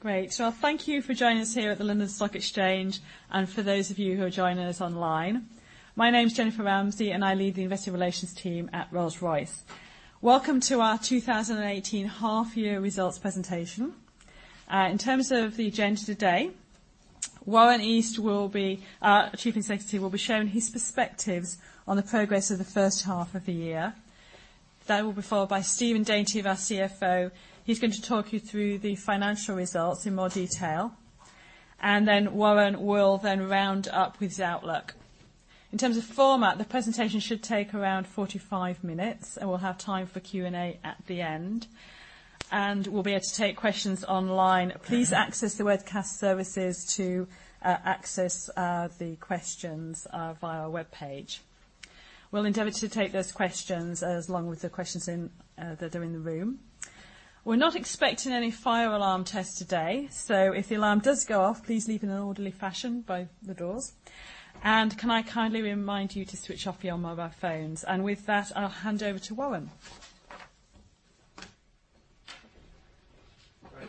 Great. Thank you for joining us here at the London Stock Exchange and for those of you who are joining us online. My name's Jennifer Ramsey, and I lead the Investor Relations team at Rolls-Royce. Welcome to our 2018 half year results presentation. In terms of the agenda today, Warren East, our Chief Executive, will be sharing his perspectives on the progress of the first half of the year. That will be followed by Stephen Daintith, our CFO. He is going to talk you through the financial results in more detail. Then Warren will then round up with his outlook. In terms of format, the presentation should take around 45 minutes, and we will have time for Q&A at the end. We will be able to take questions online. Please access the webcast services to access the questions via our webpage. We will endeavor to take those questions along with the questions that are in the room. We are not expecting any fire alarm tests today. If the alarm does go off, please leave in an orderly fashion by the doors. Can I kindly remind you to switch off your mobile phones. With that, I will hand over to Warren. Great.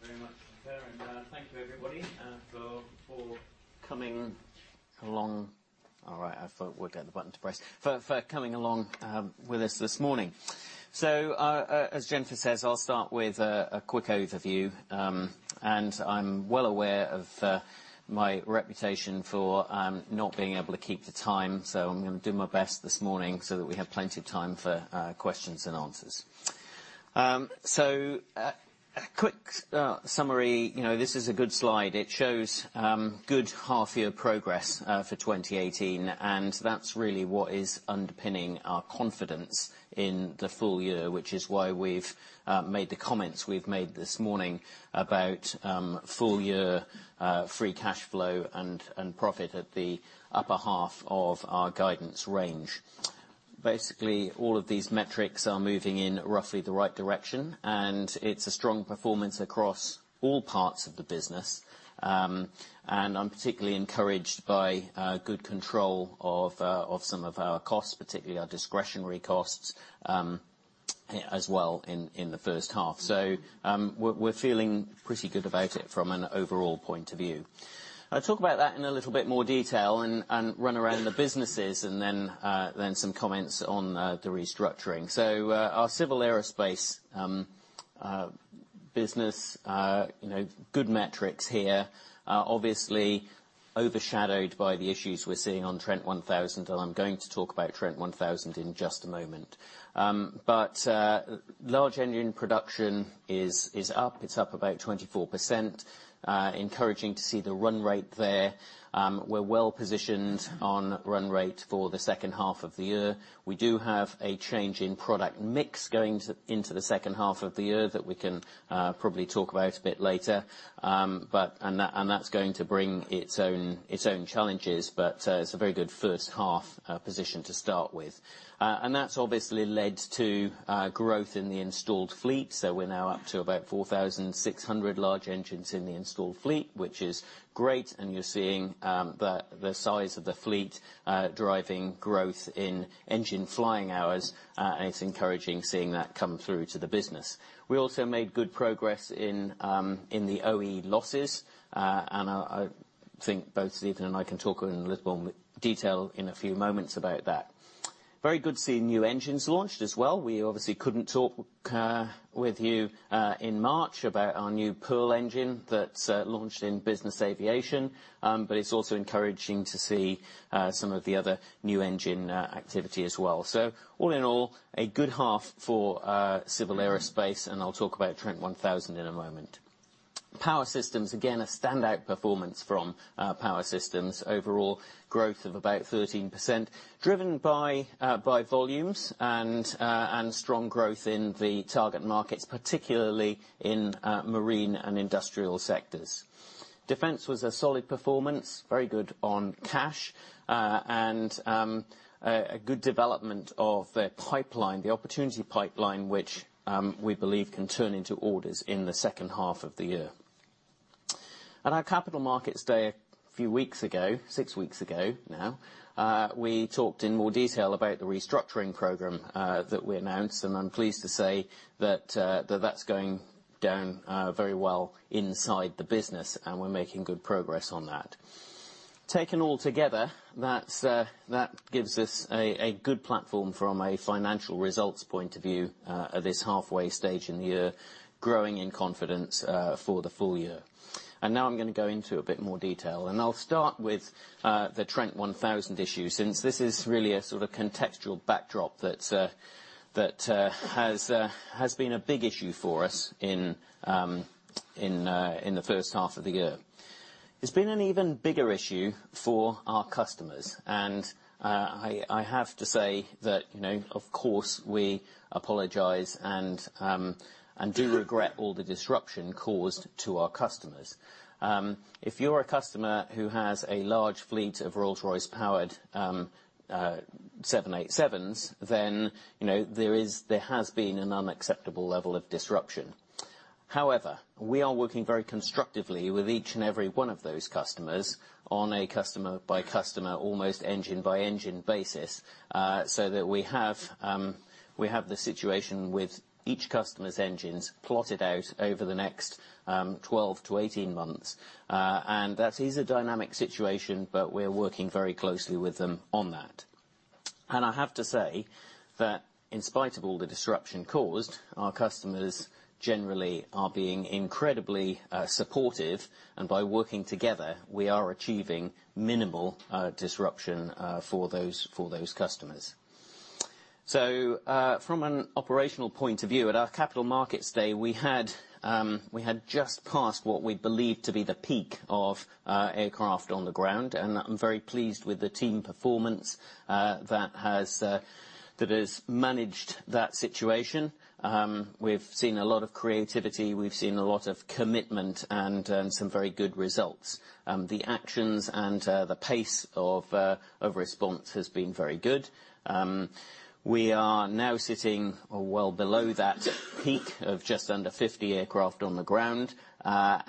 Thank you very much, Jennifer, and thank you everybody for coming along. All right, I thought I would get the button to press. For coming along with us this morning. As Jennifer says, I will start with a quick overview. I am well aware of my reputation for not being able to keep to time, so I am going to do my best this morning so that we have plenty of time for questions and answers. A quick summary. This is a good slide. It shows good half year progress for 2018, and that's really what is underpinning our confidence in the full year, which is why we have made the comments we have made this morning about full year free cash flow and profit at the upper half of our guidance range. Basically, all of these metrics are moving in roughly the right direction, and it's a strong performance across all parts of the business. I am particularly encouraged by good control of some of our costs, particularly our discretionary costs, as well in the first half. We are feeling pretty good about it from an overall point of view. I will talk about that in a little bit more detail and run around the businesses and then some comments on the restructuring. Our Civil Aerospace business, good metrics here. Obviously, overshadowed by the issues we are seeing on Trent 1000, and I am going to talk about Trent 1000 in just a moment. But large engine production is up. It is up about 24%. Encouraging to see the run rate there. We are well-positioned on run rate for the second half of the year. We do have a change in product mix going into the second half of the year that we can probably talk about a bit later. That's going to bring its own challenges, but it's a very good first half position to start with. That's obviously led to growth in the installed fleet. We're now up to about 4,600 large engines in the installed fleet, which is great. You're seeing the size of the fleet driving growth in engine flying hours. It's encouraging seeing that come through to the business. We also made good progress in the OE losses. I think both Stephen and I can talk in a little more detail in a few moments about that. Very good to see new engines launched as well. We obviously couldn't talk with you in March about our new Pearl engine that launched in business aviation. It's also encouraging to see some of the other new engine activity as well. All in all, a good half for Civil Aerospace, and I'll talk about Trent 1000 in a moment. Power Systems, again, a standout performance from Power Systems. Overall growth of about 13%, driven by volumes and strong growth in the target markets, particularly in marine and industrial sectors. Defence was a solid performance. Very good on cash. A good development of their pipeline, the opportunity pipeline, which we believe can turn into orders in the second half of the year. At our Capital Markets Day a few weeks ago, six weeks ago now, we talked in more detail about the restructuring program that we announced. I'm pleased to say that that's going down very well inside the business, and we're making good progress on that. Taken all together, that gives us a good platform from a financial results point of view at this halfway stage in the year, growing in confidence for the full year. Now I'm going to go into a bit more detail, and I'll start with the Trent 1000 issue, since this is really a sort of contextual backdrop that has been a big issue for us in the first half of the year. It's been an even bigger issue for our customers, I have to say that, of course, we apologize and do regret all the disruption caused to our customers. If you're a customer who has a large fleet of Rolls-Royce powered 787s, then there has been an unacceptable level of disruption. However, we are working very constructively with each and every one of those customers on a customer-by-customer, almost engine-by-engine basis, so that we have the situation with each customer's engines plotted out over the next 12 to 18 months. That is a dynamic situation, but we are working very closely with them on that. I have to say that in spite of all the disruption caused, our customers generally are being incredibly supportive. By working together, we are achieving minimal disruption for those customers. From an operational point of view, at our Capital Markets Day, we had just passed what we believed to be the peak of aircraft on the ground. I'm very pleased with the team performance that has managed that situation. We've seen a lot of creativity, we've seen a lot of commitment, and some very good results. The actions and the pace of response has been very good. We are now sitting well below that peak of just under 50 aircraft on the ground. Our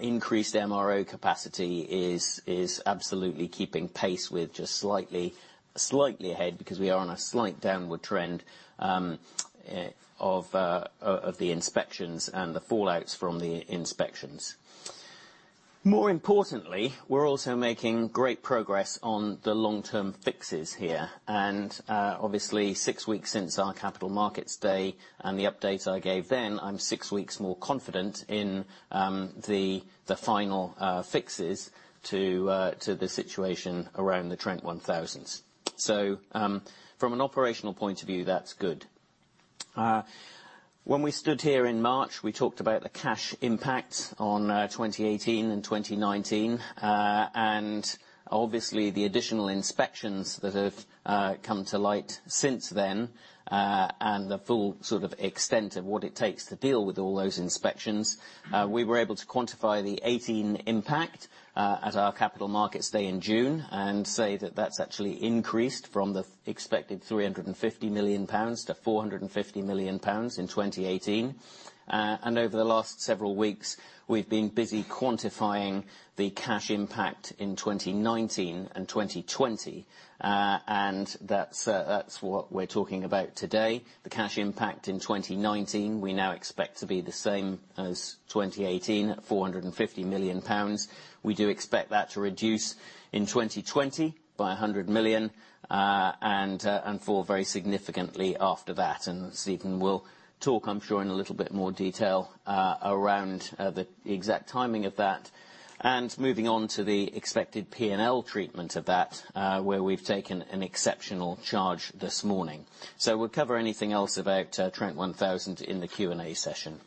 increased MRO capacity is absolutely keeping pace with, just slightly ahead, because we are on a slight downward trend of the inspections and the fallouts from the inspections. More importantly, we're also making great progress on the long-term fixes here. Obviously six weeks since our Capital Markets Day and the update I gave then, I'm six weeks more confident in the final fixes to the situation around the Trent 1000s. From an operational point of view, that's good. When we stood here in March, we talked about the cash impact on 2018 and 2019, and obviously the additional inspections that have come to light since then, and the full sort of extent of what it takes to deal with all those inspections. We were able to quantify the 2018 impact at our Capital Markets Day in June and say that that's actually increased from the expected £350 million to £450 million in 2018. Over the last several weeks, we've been busy quantifying the cash impact in 2019 and 2020. That's what we're talking about today. The cash impact in 2019, we now expect to be the same as 2018, at £450 million. We do expect that to reduce in 2020 by 100 million, and fall very significantly after that. Stephen will talk, I'm sure, in a little bit more detail around the exact timing of that, and moving on to the expected P&L treatment of that, where we've taken an exceptional charge this morning. We'll cover anything else about Trent 1000 in the Q&A session.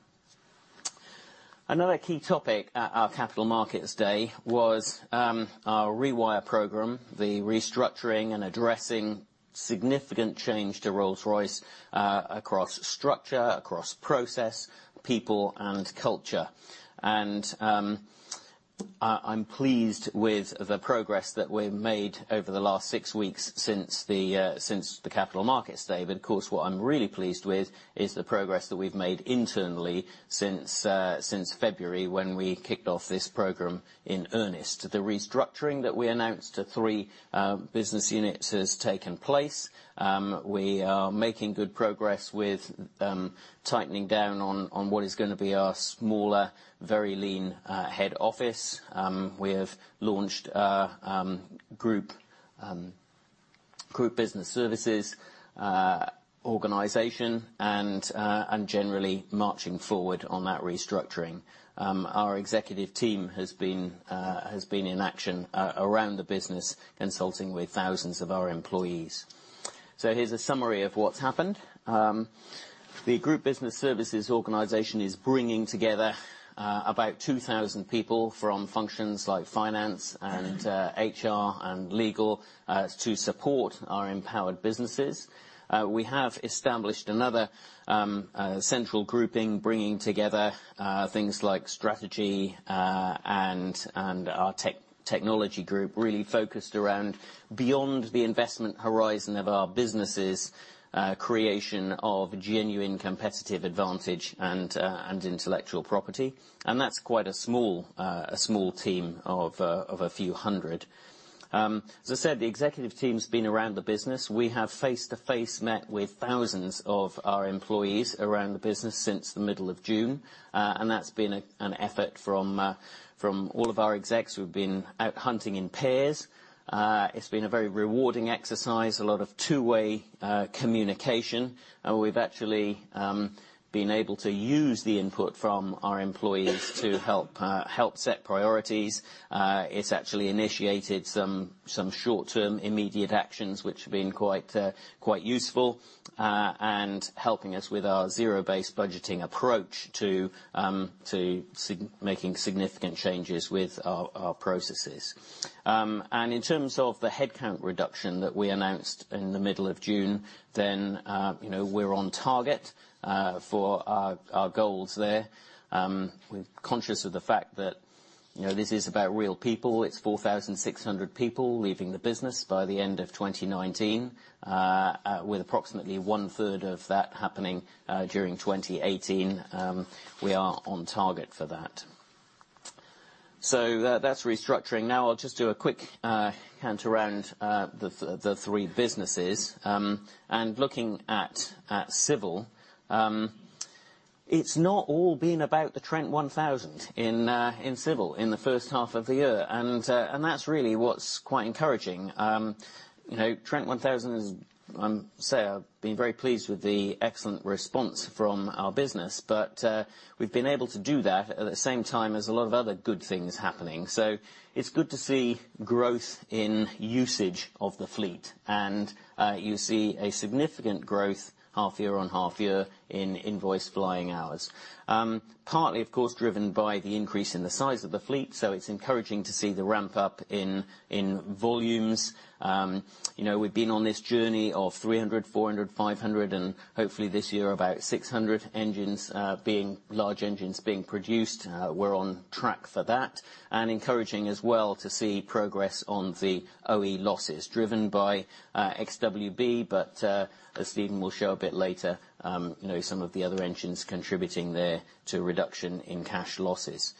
Another key topic at our Capital Markets Day was our Rewire program, the restructuring and addressing significant change to Rolls-Royce, across structure, across process, people, and culture. I'm pleased with the progress that we've made over the last six weeks since the Capital Markets Day. Of course, what I'm really pleased with is the progress that we've made internally since February, when we kicked off this program in earnest. The restructuring that we announced to three business units has taken place. We are making good progress with tightening down on what is going to be our smaller, very lean head office. We have launched Group Business Services, organization, and generally marching forward on that restructuring. Our executive team has been in action around the business, consulting with thousands of our employees. Here's a summary of what's happened. The Group Business Services organization is bringing together about 2,000 people from functions like finance and HR and legal, to support our empowered businesses. We have established another central grouping, bringing together things like strategy and our technology group, really focused around beyond the investment horizon of our businesses, creation of genuine competitive advantage and intellectual property. That's quite a small team of a few hundred. As I said, the executive team's been around the business. We have face-to-face met with thousands of our employees around the business since the middle of June. That's been an effort from all of our execs who've been out hunting in pairs. It's been a very rewarding exercise, a lot of two-way communication, we've actually been able to use the input from our employees to help set priorities. It's actually initiated some short-term immediate actions, which have been quite useful, helping us with our zero-based budgeting approach to making significant changes with our processes. In terms of the headcount reduction that we announced in the middle of June, we're on target for our goals there. We're conscious of the fact that this is about real people. It's 4,600 people leaving the business by the end of 2019, with approximately one-third of that happening during 2018. We are on target for that. That's restructuring. Now I'll just do a quick cant around the three businesses. Looking at Civil, it's not all been about the Trent 1000 in Civil in the first half of the year, that's really what's quite encouraging. Trent 1000, I'd say I've been very pleased with the excellent response from our business. We've been able to do that at the same time as a lot of other good things happening. It's good to see growth in usage of the fleet. You see a significant growth half-year on half-year in invoice flying hours. Partly, of course, driven by the increase in the size of the fleet, it's encouraging to see the ramp-up in volumes. We've been on this journey of 300, 400, 500, and hopefully this year, about 600 large engines being produced. We're on track for that. Encouraging as well to see progress on the OE losses driven by XWB, as Stephen will show a bit later, some of the other engines contributing there to a reduction in cash losses.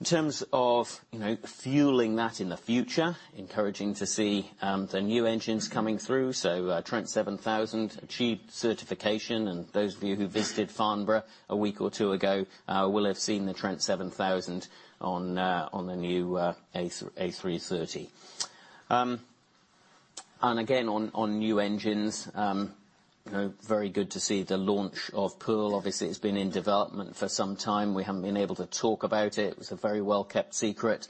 In terms of fueling that in the future, encouraging to see the new engines coming through. Trent 7000 achieved certification, those of you who visited Farnborough a week or two ago will have seen the Trent 7000 on the new A330. Again on new engines. Very good to see the launch of Pearl. Obviously, it's been in development for some time. We haven't been able to talk about it. It was a very well-kept secret.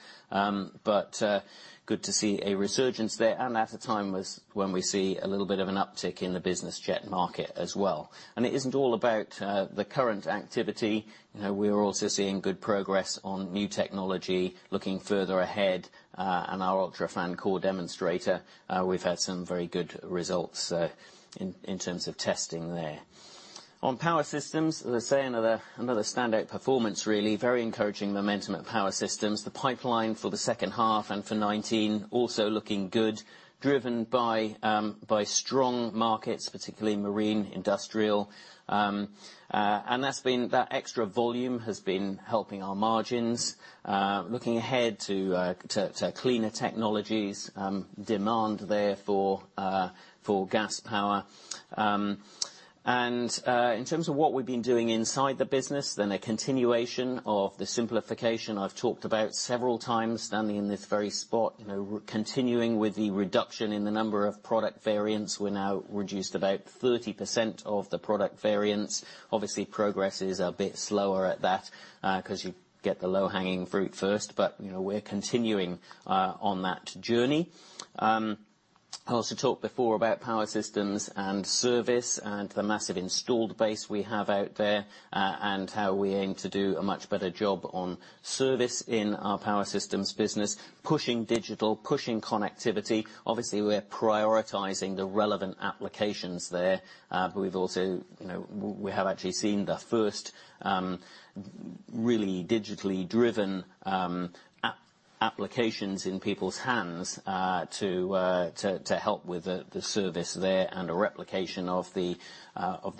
Good to see a resurgence there, at a time when we see a little bit of an uptick in the business jet market as well. It isn't all about the current activity. We are also seeing good progress on new technology, looking further ahead on our UltraFan core demonstrator. We've had some very good results in terms of testing there. On Power Systems, as I say, another standout performance really. Very encouraging momentum at Power Systems. The pipeline for the second half and for 2019, also looking good, driven by strong markets, particularly marine, industrial. That extra volume has been helping our margins. Looking ahead to cleaner technologies, demand there for gas power. In terms of what we've been doing inside the business, a continuation of the simplification I've talked about several times standing in this very spot. Continuing with the reduction in the number of product variants. We're now reduced about 30% of the product variants. Obviously, progress is a bit slower at that, because you get the low-hanging fruit first, we're continuing on that journey. I also talked before about Power Systems and service and the massive installed base we have out there, and how we aim to do a much better job on service in our Power Systems business, pushing digital, pushing connectivity. Obviously, we are prioritizing the relevant applications there. We have actually seen the first really digitally driven applications in people's hands to help with the service there and a replication of the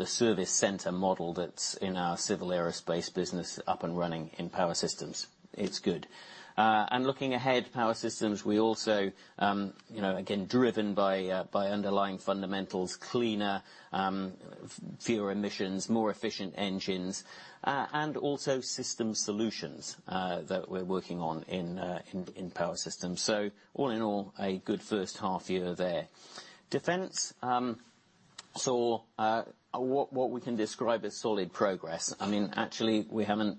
service center model that's in our Civil Aerospace business up and running in Power Systems. It's good. Looking ahead, Power Systems, we also, again, driven by underlying fundamentals, cleaner, fewer emissions, more efficient engines, and also system solutions that we're working on in Power Systems. All in all, a good first half-year there. Defence saw what we can describe as solid progress. Actually, we haven't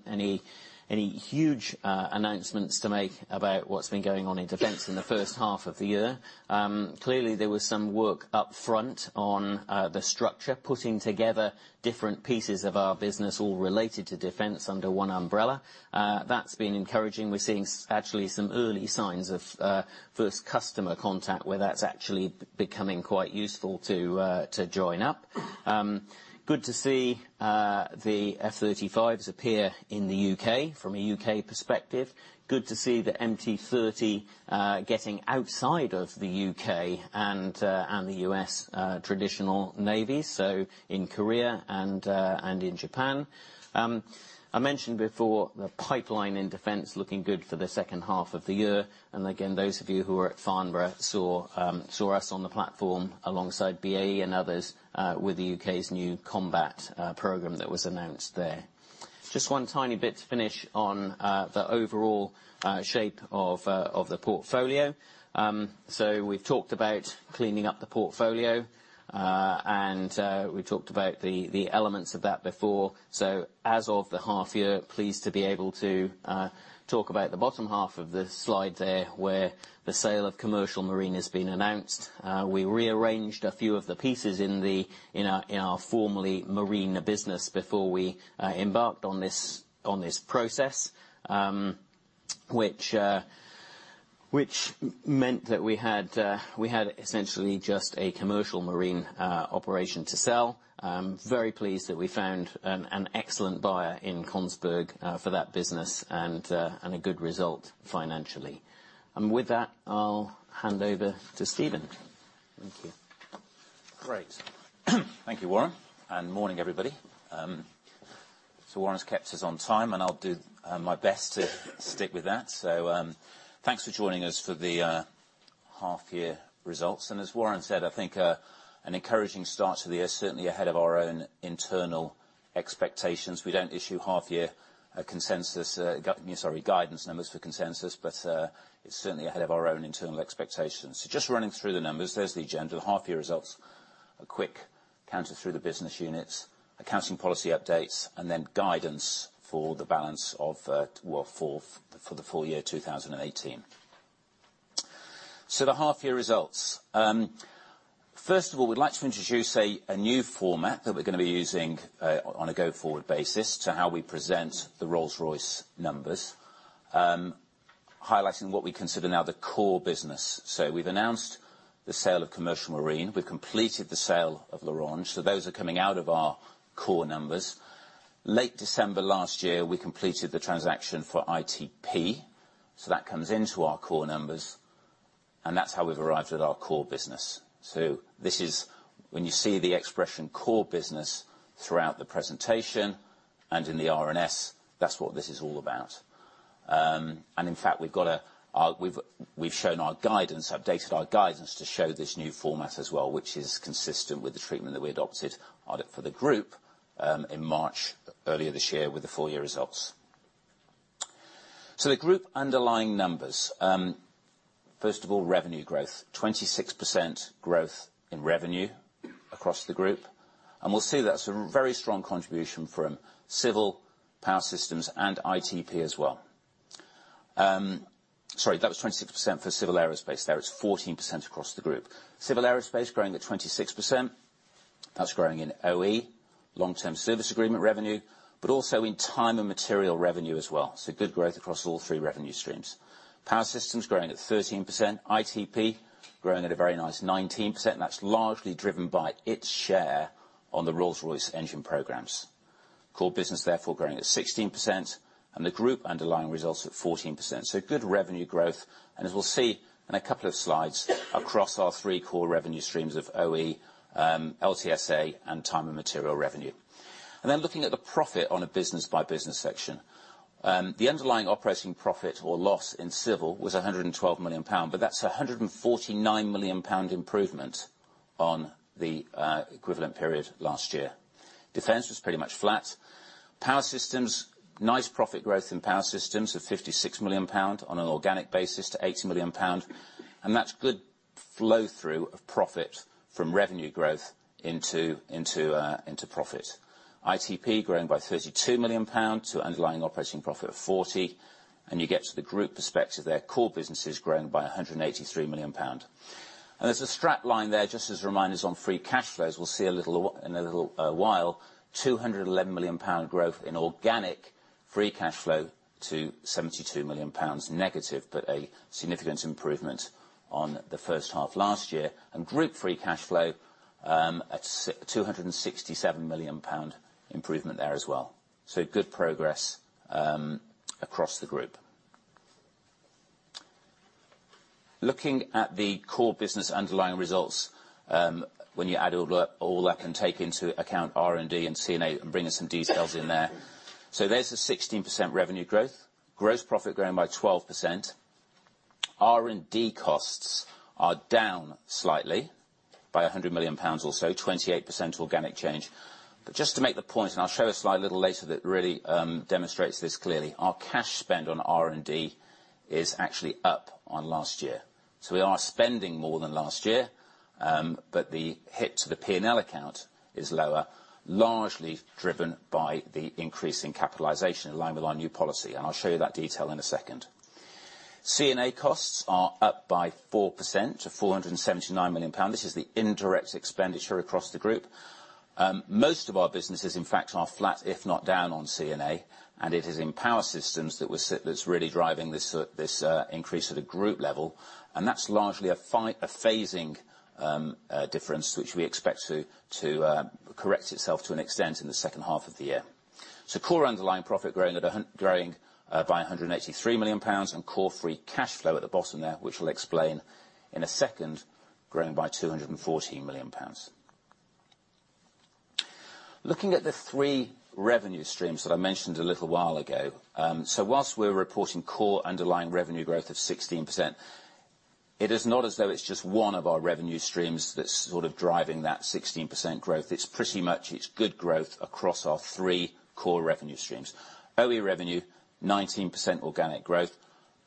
any huge announcements to make about what's been going on in Defence in the first half-year. Clearly, there was some work up front on the structure, putting together different pieces of our business all related to Defence under one umbrella. That's been encouraging. We're seeing actually some early signs of first customer contact where that's actually becoming quite useful to join up. Good to see the F-35s appear in the U.K. from a U.K. perspective. Good to see the MT30 getting outside of the U.K. and the U.S. traditional Navy, so in Korea and in Japan. I mentioned before the pipeline in Defence looking good for the second half-year. Again, those of you who were at Farnborough saw us on the platform alongside BAE and others, with the U.K.'s new combat program that was announced there. Just one tiny bit to finish on the overall shape of the portfolio. We've talked about cleaning up the portfolio, and we talked about the elements of that before. As of the half-year, pleased to be able to talk about the bottom half of the slide there, where the sale of Commercial Marine has been announced. We rearranged a few of the pieces in our formerly marine business before we embarked on this process, which meant that we had essentially just a Commercial Marine operation to sell. Very pleased that we found an excellent buyer in Kongsberg for that business and a good result financially. With that, I'll hand over to Stephen. Thank you. Great. Thank you, Warren, and morning, everybody. Warren's kept us on time, and I'll do my best to stick with that. Thanks for joining us for the half-year results. As Warren said, I think an encouraging start to the year, certainly ahead of our own internal expectations. We don't issue half-year guidance numbers for consensus, but it's certainly ahead of our own internal expectations. Just running through the numbers, there's the agenda, the half-year results, a quick canter through the business units, accounting policy updates, and then guidance for the full year 2018. The half-year results. First of all, we'd like to introduce a new format that we're going to be using on a go-forward basis to how we present the Rolls-Royce numbers, highlighting what we consider now the core business. We've announced the sale of Commercial Marine, we've completed the sale of L'Orange. Those are coming out of our core numbers. Late December last year, we completed the transaction for ITP. That comes into our core numbers, and that's how we've arrived at our core business. When you see the expression core business throughout the presentation and in the RNS, that's what this is all about. In fact, we've shown our guidance, updated our guidance to show this new format as well, which is consistent with the treatment that we adopted for the group in March earlier this year with the full year results. The group underlying numbers. First of all, revenue growth, 26% growth in revenue across the group. We'll see that's a very strong contribution from Civil, Power Systems, and ITP as well. Sorry, that was 26% for Civil Aerospace there. It's 14% across the group. Civil Aerospace growing at 26%. That's growing in OE, long-term service agreement revenue, but also in time and material revenue as well. Good growth across all three revenue streams. Power Systems growing at 13%, ITP growing at a very nice 19%, and that's largely driven by its share on the Rolls-Royce engine programs. Core business therefore growing at 16%, and the group underlying results at 14%. Good revenue growth, and as we'll see in a couple of slides, across our three core revenue streams of OE, LTSA, and time and material revenue. Then looking at the profit on a business by business section. The underlying operating profit or loss in Civil was 112 million pound, but that's a 149 million pound improvement on the equivalent period last year. Defence was pretty much flat. Power Systems, nice profit growth in Power Systems of 56 million pound on an organic basis to 80 million pound. That's good flow through of profit from revenue growth into profit. ITP growing by 32 million pound to underlying operating profit of 40 million, and you get to the group perspective there, core business is growing by 183 million pound. There's a strap line there, just as a reminder, on free cash flows. We'll see in a little while, 211 million pound growth in organic free cash flow to 72 million pounds negative, but a significant improvement on the first half last year. Group free cash flow at 267 million pound improvement there as well. Good progress across the group. Looking at the core business underlying results, when you add all that and take into account R&D and CNA, bring us some details in there. There's the 16% revenue growth. Gross profit growing by 12%. R&D costs are down slightly by 100 million pounds or so, 28% organic change. Just to make the point, I'll show a slide a little later that really demonstrates this clearly. Our cash spend on R&D is actually up on last year. We are spending more than last year, but the hit to the P&L account is lower, largely driven by the increase in capitalization in line with our new policy. I'll show you that detail in a second. CNA costs are up by 4% to 479 million pounds. This is the indirect expenditure across the group. Most of our businesses, in fact, are flat, if not down on CNA, it is in Power Systems that's really driving this increase at a group level. That's largely a phasing difference, which we expect to correct itself to an extent in the second half of the year. Core underlying profit growing by 183 million pounds, and core free cash flow at the bottom there, which I'll explain in a second, growing by 214 million pounds. Looking at the three revenue streams that I mentioned a little while ago. Whilst we're reporting core underlying revenue growth of 16%, it is not as though it's just one of our revenue streams that's sort of driving that 16% growth. It's pretty much good growth across our three core revenue streams. OE revenue, 19% organic growth,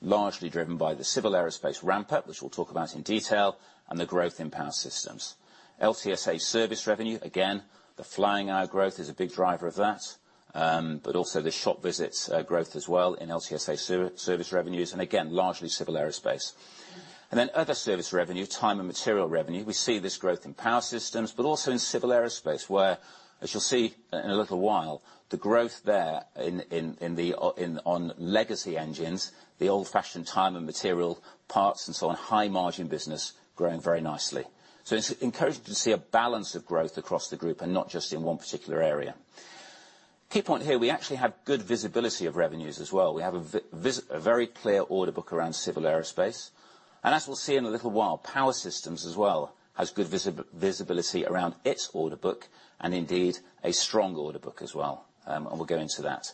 largely driven by the Civil Aerospace ramp-up, which we'll talk about in detail, and the growth in Power Systems. LTSA service revenue, again, the flying hour growth is a big driver of that, but also the shop visits growth as well in LTSA service revenues, and again, largely Civil Aerospace. Then other service revenue, time and material revenue. We see this growth in Power Systems, but also in Civil Aerospace, where, as you'll see in a little while, the growth there on legacy engines, the old-fashioned time and material parts and so on, high margin business growing very nicely. It's encouraging to see a balance of growth across the group and not just in one particular area. Key point here, we actually have good visibility of revenues as well. We have a very clear order book around Civil Aerospace. As we'll see in a little while, Power Systems as well has good visibility around its order book, and indeed, a strong order book as well. We'll go into that.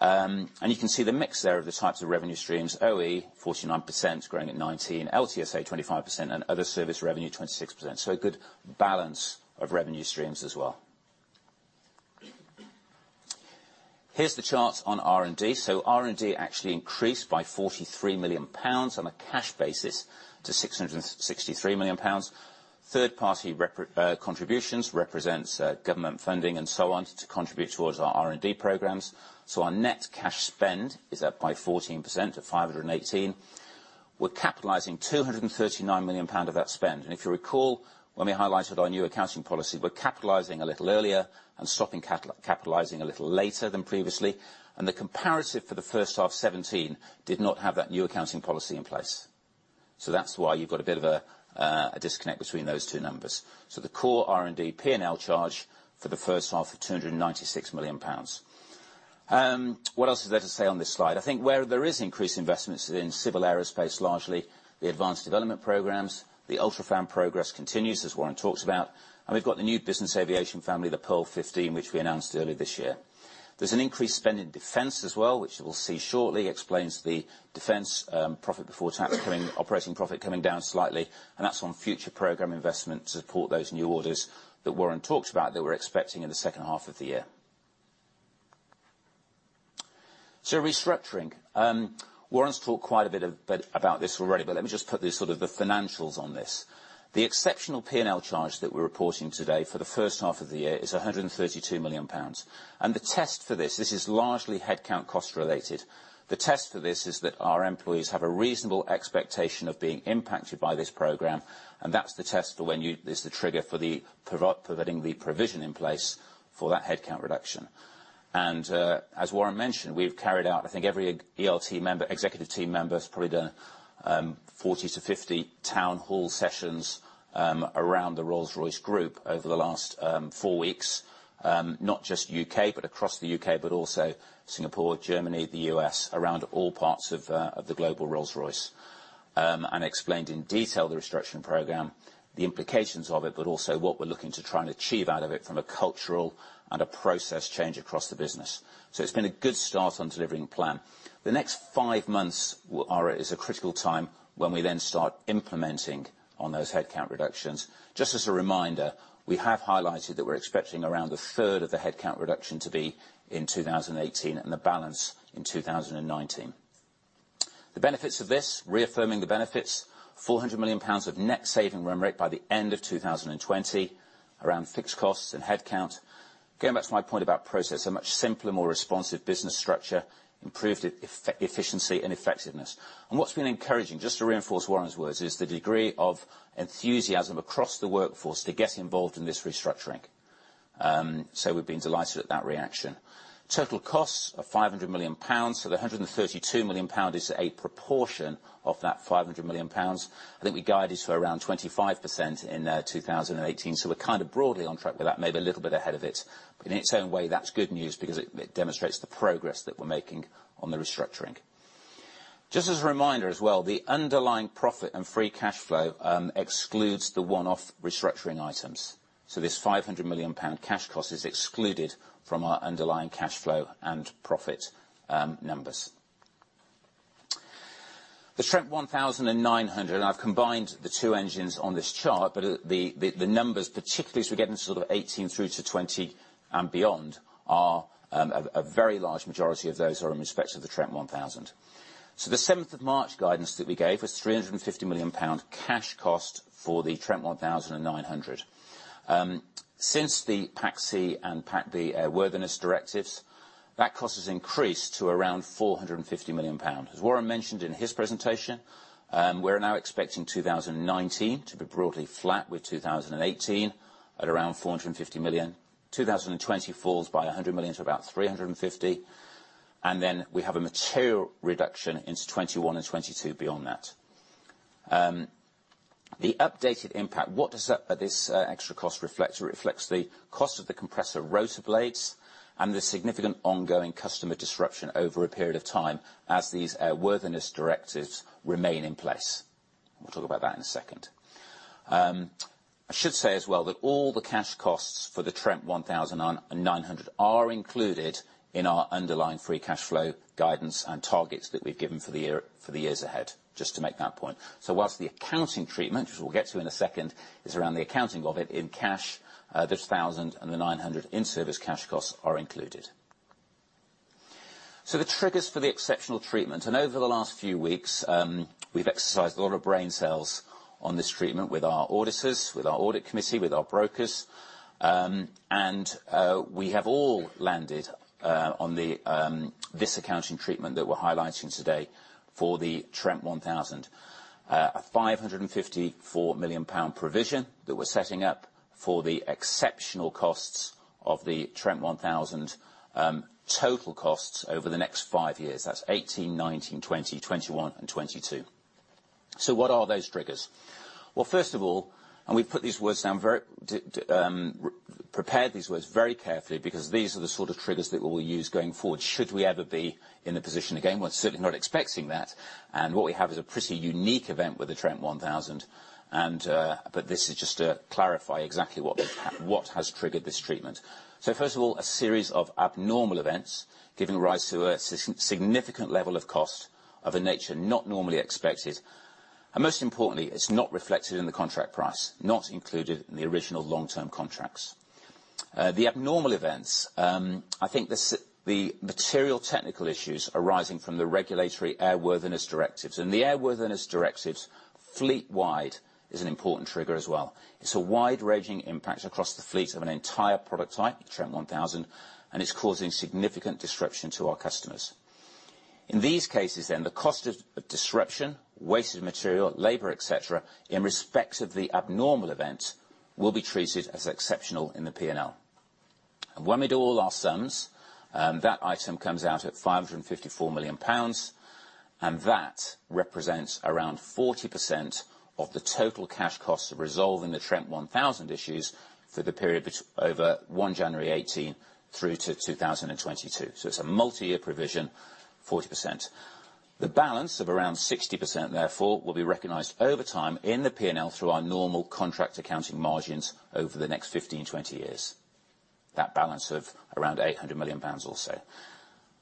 You can see the mix there of the types of revenue streams. OE, 49%, growing at 19%. LTSA, 25%, and other service revenue, 26%. A good balance of revenue streams as well. Here's the chart on R&D. R&D actually increased by 43 million pounds on a cash basis to 663 million pounds. Third-party contributions represents government funding and so on to contribute towards our R&D programs. Our net cash spend is up by 14% to 518 million. We're capitalizing 239 million pound of that spend. If you recall, when we highlighted our new accounting policy, we're capitalizing a little earlier and stopping capitalizing a little later than previously. The comparative for the first half 2017 did not have that new accounting policy in place. That's why you've got a bit of a disconnect between those two numbers. The core R&D P&L charge for the first half is 296 million pounds. What else is there to say on this slide? I think where there is increased investments in Civil Aerospace, largely the advanced development programs, the UltraFan progress continues, as Warren talks about, and we've got the new business aviation family, the Pearl 15, which we announced earlier this year. There's an increased spend in defence as well, which we'll see shortly, explains the defence profit before tax coming, operating profit coming down slightly, and that's on future program investment to support those new orders that Warren talked about that we're expecting in the second half of the year. Restructuring. Warren's talked quite a bit about this already, but let me just put the financials on this. The exceptional P&L charge that we're reporting today for the first half of the year is 132 million pounds. The test for this is largely headcount cost related. The test for this is that our employees have a reasonable expectation of being impacted by this program, and that's the trigger for providing the provision in place for that headcount reduction. As Warren mentioned, we've carried out, I think every ELT member, executive team member, has probably done 40 to 50 town hall sessions around the Rolls-Royce Group over the last four weeks. Not just U.K., but across the U.K., but also Singapore, Germany, the U.S., around all parts of the global Rolls-Royce. Explained in detail the restructuring program, the implications of it, but also what we're looking to try and achieve out of it from a cultural and a process change across the business. It's been a good start on delivering the plan. The next five months is a critical time when we then start implementing on those headcount reductions. Just as a reminder, we have highlighted that we're expecting around a third of the headcount reduction to be in 2018, and the balance in 2019. The benefits of this, reaffirming the benefits, 400 million pounds of net saving run rate by the end of 2020 around fixed costs and headcount. Going back to my point about process, a much simpler, more responsive business structure, improved efficiency and effectiveness. What's been encouraging, just to reinforce Warren's words, is the degree of enthusiasm across the workforce to get involved in this restructuring. We've been delighted at that reaction. Total costs of 500 million pounds, the 132 million pound is a proportion of that 500 million pounds. I think we guided for around 25% in 2018, we're kind of broadly on track with that, maybe a little bit ahead of it. In its own way, that's good news because it demonstrates the progress that we're making on the restructuring. Just as a reminder as well, the underlying profit and free cash flow excludes the one-off restructuring items. This 500 million pound cash cost is excluded from our underlying cash flow and profit numbers. The Trent 1000 and 900, I've combined the two engines on this chart, but the numbers, particularly as we get into sort of 2018 through to 2020 and beyond, a very large majority of those are in respect to the Trent 1000. The 7th of March guidance that we gave was 350 million pound cash cost for the Trent 1000 and 900. Since the Package C and Package B airworthiness directives, that cost has increased to around 450 million pounds. Warren mentioned in his presentation, we're now expecting 2019 to be broadly flat with 2018 at around 450 million. 2020 falls by 100 million to about 350 million, then we have a material reduction into 2021 and 2022 beyond that. The updated impact, what does this extra cost reflect? It reflects the cost of the compressor rotor blades and the significant ongoing customer disruption over a period of time as these airworthiness directives remain in place. We'll talk about that in a second. I should say as well that all the cash costs for the Trent 1000 and 900 are included in our underlying free cash flow guidance and targets that we've given for the years ahead, just to make that point. While the accounting treatment, which we will get to in a second, is around the accounting of it in cash, the 1000 and the 900 in-service cash costs are included. The triggers for the exceptional treatment. Over the last few weeks, we have exercised a lot of brain cells on this treatment with our auditors, with our audit committee, with our brokers, and we have all landed on this accounting treatment that we are highlighting today for the Trent 1000. A GBP 554 million provision that we are setting up for the exceptional costs of the Trent 1000 total costs over the next five years. That is 2018, 2019, 2020, 2021, and 2022. What are those triggers? First of all, we prepared these words very carefully because these are the sort of triggers that we will use going forward should we ever be in the position again. We are certainly not expecting that, what we have is a pretty unique event with the Trent 1000. This is just to clarify exactly what has triggered this treatment. First of all, a series of abnormal events giving rise to a significant level of cost of a nature not normally expected. Most importantly, it is not reflected in the contract price, not included in the original long-term contracts. The abnormal events, I think the material technical issues arising from the regulatory airworthiness directives. The airworthiness directives fleet-wide is an important trigger as well. It is a wide-ranging impact across the fleet of an entire product type, Trent 1000, and it is causing significant disruption to our customers. In these cases, the cost of disruption, wasted material, labor, et cetera, in respect of the abnormal event, will be treated as exceptional in the P&L. When we do all our sums, that item comes out at 554 million pounds, and that represents around 40% of the total cash costs of resolving the Trent 1000 issues for the period over January 2018 through to 2022. It is a multi-year provision, 40%. The balance of around 60%, therefore, will be recognized over time in the P&L through our normal contract accounting margins over the next 15, 20 years. That balance of around 800 million pounds or so.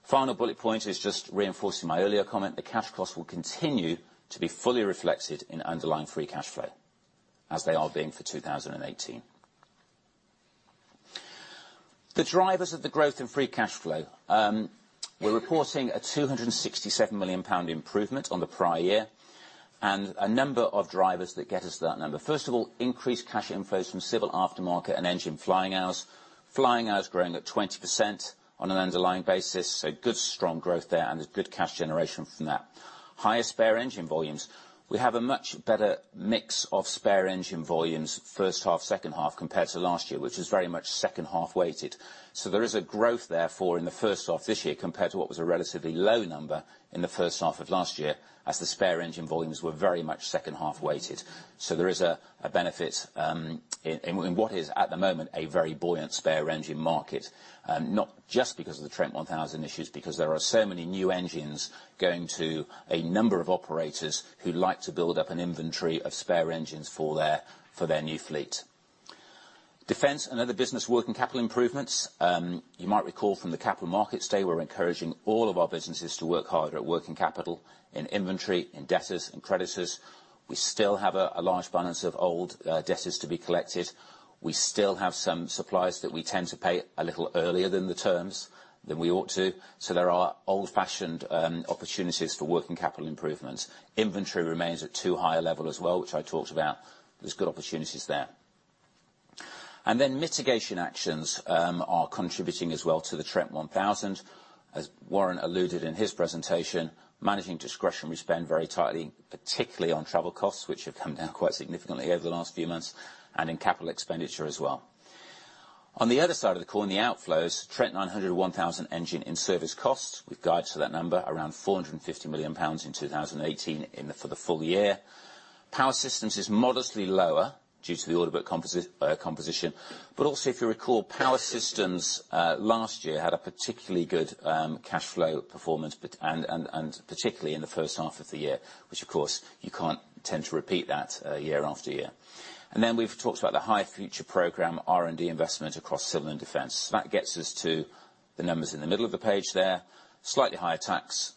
Final bullet point is just reinforcing my earlier comment. The cash costs will continue to be fully reflected in underlying free cash flow, as they are being for 2018. The drivers of the growth in free cash flow. We are reporting a 267 million pound improvement on the prior year, a number of drivers that get us that number. First of all, increased cash inflows from civil aftermarket and engine flying hours. Flying hours growing at 20% on an underlying basis. Good strong growth there and there is good cash generation from that. Higher spare engine volumes. We have a much better mix of spare engine volumes first half, second half, compared to last year, which was very much second half weighted. There is a growth therefore in the first half this year compared to what was a relatively low number in the first half of last year, as the spare engine volumes were very much second half weighted. There is a benefit in what is, at the moment, a very buoyant spare engine market. Not just because of the Trent 1000 issues, because there are so many new engines going to a number of operators who like to build up an inventory of spare engines for their new fleet. Defence and other business working capital improvements. You might recall from the Capital Markets Day, we're encouraging all of our businesses to work harder at working capital, in inventory, in debtors and creditors. We still have a large balance of old debtors to be collected. We still have some suppliers that we tend to pay a little earlier than the terms than we ought to. There are old-fashioned opportunities for working capital improvements. Inventory remains at too high a level as well, which I talked about. There's good opportunities there. Mitigation actions are contributing as well to the Trent 1000. As Warren alluded in his presentation, managing discretionary spend very tightly, particularly on travel costs, which have come down quite significantly over the last few months, and in capital expenditure as well. On the other side of the coin, the outflows, Trent 900, Trent 1000 engine in-service costs. We've guided to that number around 450 million pounds in 2018 for the full year. Power Systems is modestly lower due to the order book composition. Also, if you recall, Power Systems last year had a particularly good cash flow performance, and particularly in the first half of the year, which, of course, you can't tend to repeat that year after year. We've talked about the high future program R&D investment across Civil and Defence. That gets us to the numbers in the middle of the page there. Slightly higher tax,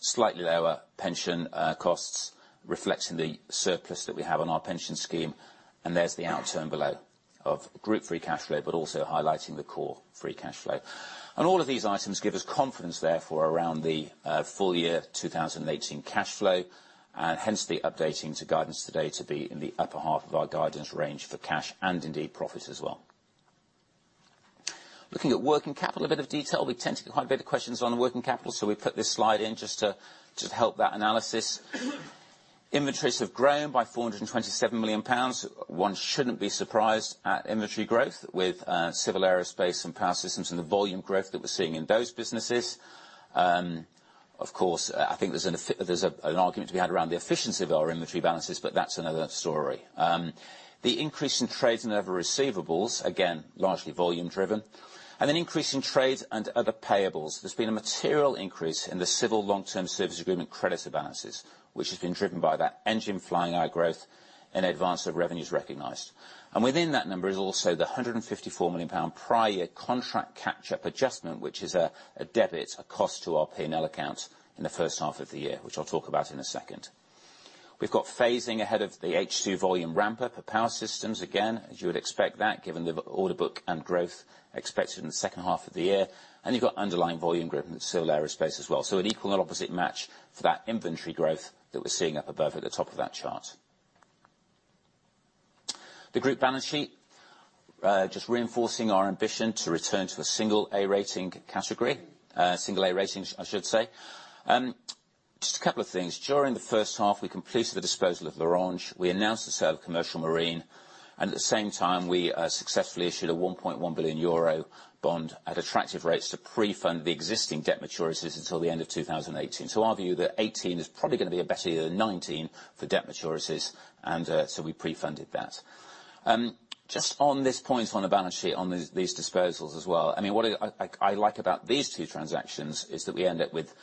slightly lower pension costs, reflecting the surplus that we have on our pension scheme. There's the outturn below of group free cash flow, but also highlighting the core free cash flow. All of these items give us confidence therefore around the full year 2018 cash flow, and hence the updating to guidance today to be in the upper half of our guidance range for cash and indeed profits as well. Looking at working capital in a bit of detail. We tend to get quite a bit of questions on working capital, so we put this slide in just to help that analysis. Inventories have grown by 427 million pounds. One shouldn't be surprised at inventory growth with Civil Aerospace and Power Systems and the volume growth that we're seeing in those businesses. Of course, I think there's an argument to be had around the efficiency of our inventory balances, but that's another story. The increase in trades and other receivables, again, largely volume driven. An increase in trades and other payables. There's been a material increase in the Civil long-term service agreement creditor balances, which has been driven by that engine flying hour growth in advance of revenues recognized. Within that number is also the 154 million pound prior year contract catch-up adjustment, which is a debit, a cost to our P&L account in the first half of the year, which I'll talk about in a second. We've got phasing ahead of the H2 volume ramp-up for Power Systems. Again, as you would expect that, given the order book and growth expected in the second half of the year. You've got underlying volume growth in Civil Aerospace as well. An equal and opposite match for that inventory growth that we're seeing up above at the top of that chart. The group balance sheet. Reinforcing our ambition to return to a single A rating category. Single A rating, I should say. A couple of things. During the first half, we completed the disposal of L'Orange. We announced the sale of Commercial Marine. At the same time, we successfully issued a €1.1 billion bond at attractive rates to pre-fund the existing debt maturities until the end of 2018. Our view, that 2018 is probably going to be a better year than 2019 for debt maturities, we pre-funded that. On this point on the balance sheet on these disposals as well, what I like about these two transactions is that we end up with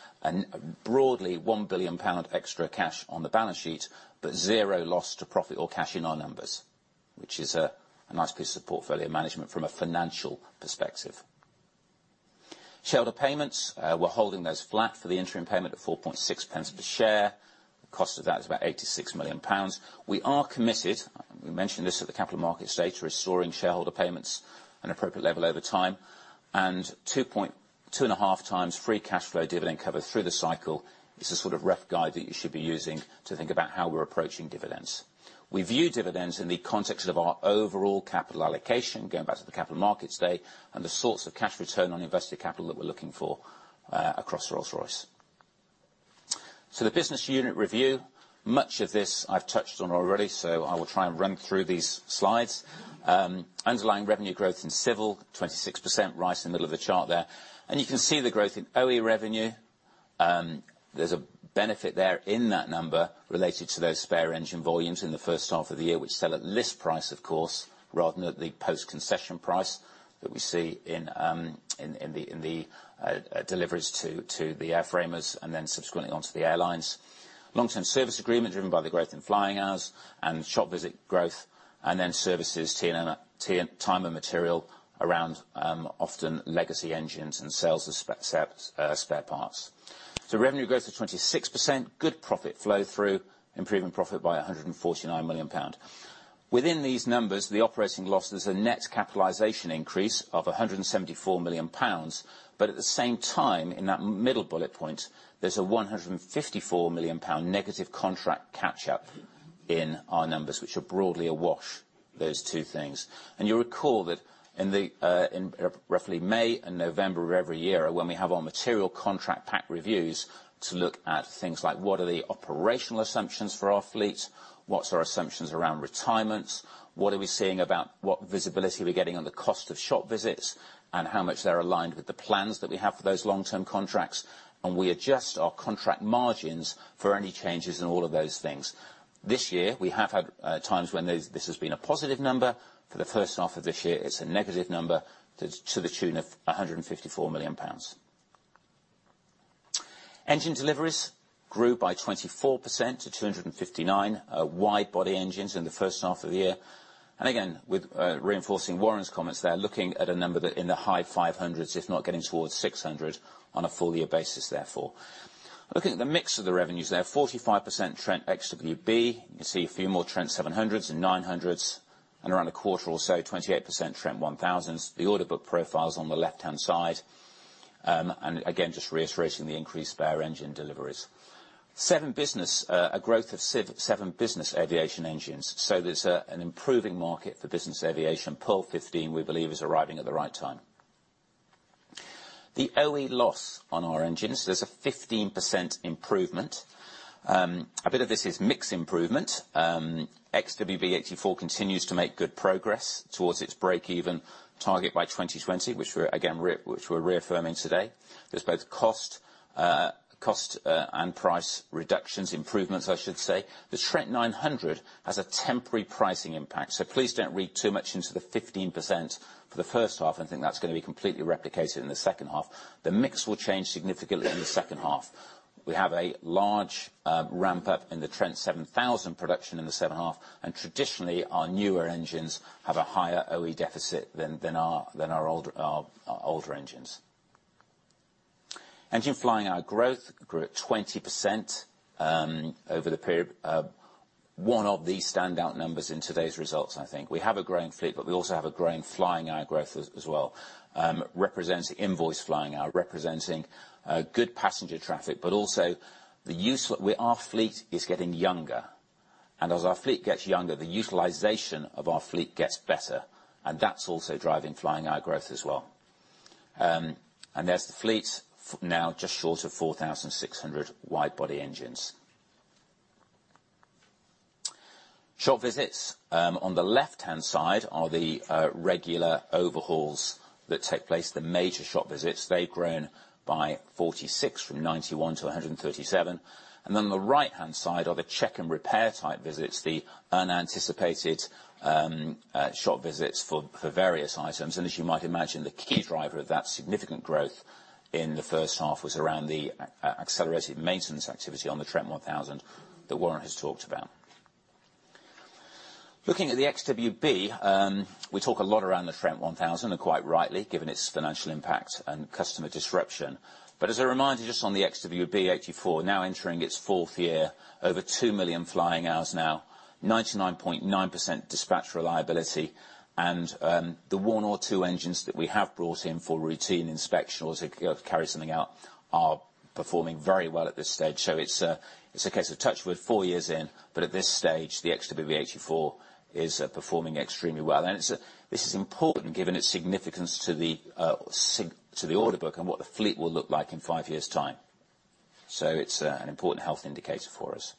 broadly 1 billion pound extra cash on the balance sheet, but zero loss to profit or cash in our numbers, which is a nice piece of portfolio management from a financial perspective. Shareholder payments, we're holding those flat for the interim payment at 0.046 a share. The cost of that is about 86 million pounds. We are committed, we mentioned this at the Capital Markets Day, to restoring shareholder payments an appropriate level over time, and 2.5 times free cash flow dividend cover through the cycle is the sort of rough guide that you should be using to think about how we're approaching dividends. We view dividends in the context of our overall capital allocation, going back to the Capital Markets Day, and the sorts of cash return on invested capital that we're looking for across Rolls-Royce. The business unit review, much of this I've touched on already, I will try and run through these slides. Underlying revenue growth in Civil, 26%, right in the middle of the chart there. You can see the growth in OE revenue. There's a benefit there in that number related to those spare engine volumes in the first half of the year, which sell at list price, of course, rather than at the post-concession price that we see in the deliveries to the airframers subsequently onto the airlines. Long-term service agreement driven by the growth in flying hours and shop visit growth, services time and material around often legacy engines and sales of spare parts. Revenue growth of 26%, good profit flow-through, improving profit by 149 million pound. Within these numbers, the operating losses, a net capitalization increase of 174 million pounds, at the same time, in that middle bullet point, there's a 154 million pound negative contract catch-up in our numbers, which are broadly awash, those two things. You will recall that in roughly May and November of every year, when we have our material contract pack reviews to look at things like what are the operational assumptions for our fleet, what are our assumptions around retirements, what are we seeing about what visibility we are getting on the cost of shop visits, and how much they are aligned with the plans that we have for those long-term contracts. We adjust our contract margins for any changes in all of those things. This year, we have had times when this has been a positive number. For the first half of this year, it is a negative number to the tune of 154 million pounds. Engine deliveries grew by 24% to 259 wide-body engines in the first half of the year. Again, with reinforcing Warren's comments there, looking at a number in the high 500s, if not getting towards 600 on a full-year basis, therefore. Looking at the mix of the revenues there, 45% Trent XWB. You can see a few more Trent 700s and 900s, and around a quarter or so, 28%, Trent 1000s. The order book profile is on the left-hand side. Again, just reiterating the increased spare engine deliveries. Seven business, a growth of seven business aviation engines. There is an improving market for business aviation. Pearl 15, we believe, is arriving at the right time. The OE loss on our engines, there is a 15% improvement. A bit of this is mix improvement. XWB-84 continues to make good progress towards its break-even target by 2020, which we are reaffirming today. There are both cost and price reductions, improvements, I should say. The Trent 900 has a temporary pricing impact. Please do not read too much into the 15% for the first half and think that is going to be completely replicated in the second half. The mix will change significantly in the second half. We have a large ramp-up in the Trent 7000 production in the second half. Traditionally, our newer engines have a higher OE deficit than our older engines. Engine flying hour growth grew at 20% over the period. One of the standout numbers in today's results, I think. We have a growing fleet. We also have a growing flying hour growth as well. Represents invoice flying hour, representing good passenger traffic. Also, our fleet is getting younger. As our fleet gets younger, the utilization of our fleet gets better, and that is also driving flying hour growth as well. There is the fleet, now just short of 4,600 wide-body engines. Shop visits. On the left-hand side are the regular overhauls that take place, the major shop visits. They have grown by 46 from 91 to 137. On the right-hand side are the check and repair type visits, the unanticipated shop visits for various items. As you might imagine, the key driver of that significant growth in the first half was around the accelerated maintenance activity on the Trent 1000 that Warren has talked about. Looking at the XWB, we talk a lot around the Trent 1000, and quite rightly, given its financial impact and customer disruption. As a reminder, just on the Trent XWB-84, now entering its fourth year, over 2 million flying hours now, 99.9% dispatch reliability, and the 1 or 2 engines that we have brought in for routine inspection or to carry something out are performing very well at this stage. It's a case of touch wood four years in, but at this stage, the Trent XWB-84 is performing extremely well. This is important given its significance to the order book and what the fleet will look like in five years' time. It's an important health indicator for us.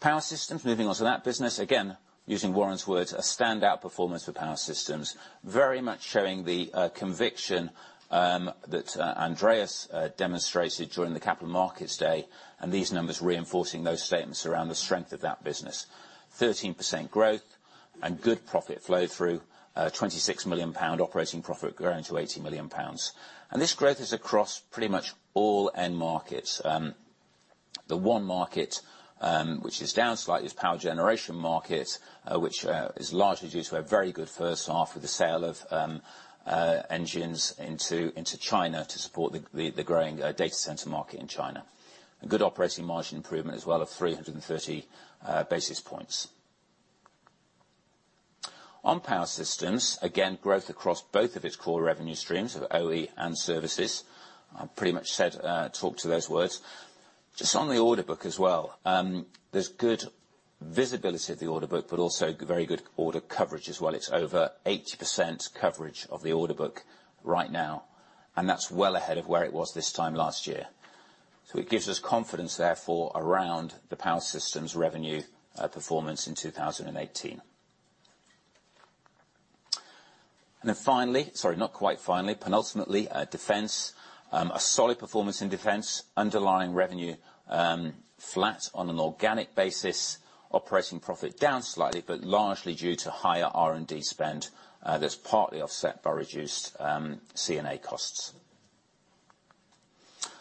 Power Systems, moving on to that business. Again, using Warren's words, "A standout performance for Power Systems," very much showing the conviction that Andreas demonstrated during the Capital Markets Day, these numbers reinforcing those statements around the strength of that business. 13% growth and good profit flow-through, 26 million pound operating profit growing to 80 million pounds. This growth is across pretty much all end markets. The one market which is down slightly is power generation market, which is largely due to a very good first half with the sale of engines into China to support the growing data center market in China. A good operating margin improvement as well of 330 basis points. On Power Systems, again, growth across both of its core revenue streams, so OE and services. I pretty much talked to those words. Just on the order book as well, there's good visibility of the order book, but also very good order coverage as well. It's over 80% coverage of the order book right now, that's well ahead of where it was this time last year. It gives us confidence, therefore, around the Power Systems revenue performance in 2018. Finally Sorry, not quite finally, penultimately, Defence. A solid performance in Defence. Underlying revenue flat on an organic basis. Operating profit down slightly, but largely due to higher R&D spend that's partly offset by reduced CNA costs.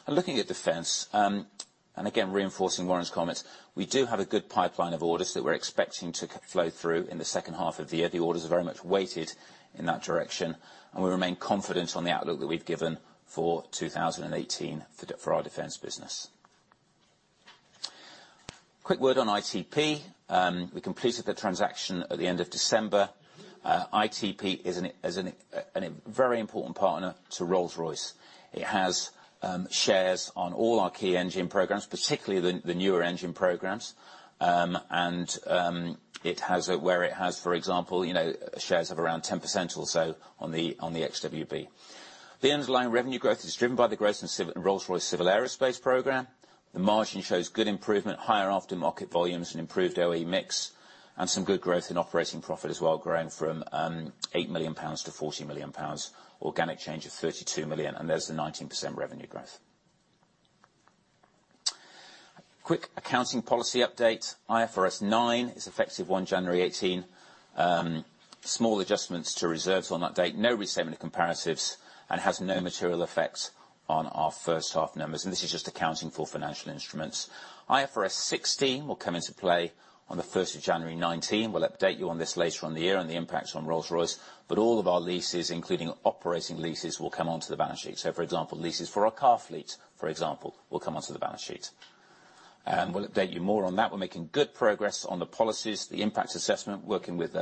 Looking at Defence, again, reinforcing Warren's comments, we do have a good pipeline of orders that we're expecting to flow through in the second half of the year. The orders are very much weighted in that direction, we remain confident on the outlook that we've given for 2018 for our Defence business. Quick word on ITP. We completed the transaction at the end of December. ITP is a very important partner to Rolls-Royce. It has shares on all our key engine programs, particularly the newer engine programs. Where it has, for example, shares of around 10% or so on the XWB. The underlying revenue growth is driven by the growth in Rolls-Royce Civil Aerospace program. The margin shows good improvement, higher aftermarket volumes, improved OE mix, and some good growth in operating profit as well, growing from 8 million pounds to 14 million pounds, organic change of 32 million, there's the 19% revenue growth. Quick accounting policy update. IFRS 9 is effective 1 January 2018. Small adjustments to reserves on that date. No restatement of comparatives, has no material effects on our first half numbers, this is just accounting for financial instruments. IFRS 16 will come into play on the 1st of January 2019. We'll update you on this later in the year, the impacts on Rolls-Royce, but all of our leases, including operating leases, will come onto the balance sheet. For example, leases for our car fleet, for example, will come onto the balance sheet. We'll update you more on that. We're making good progress on the policies, the impacts assessment, working with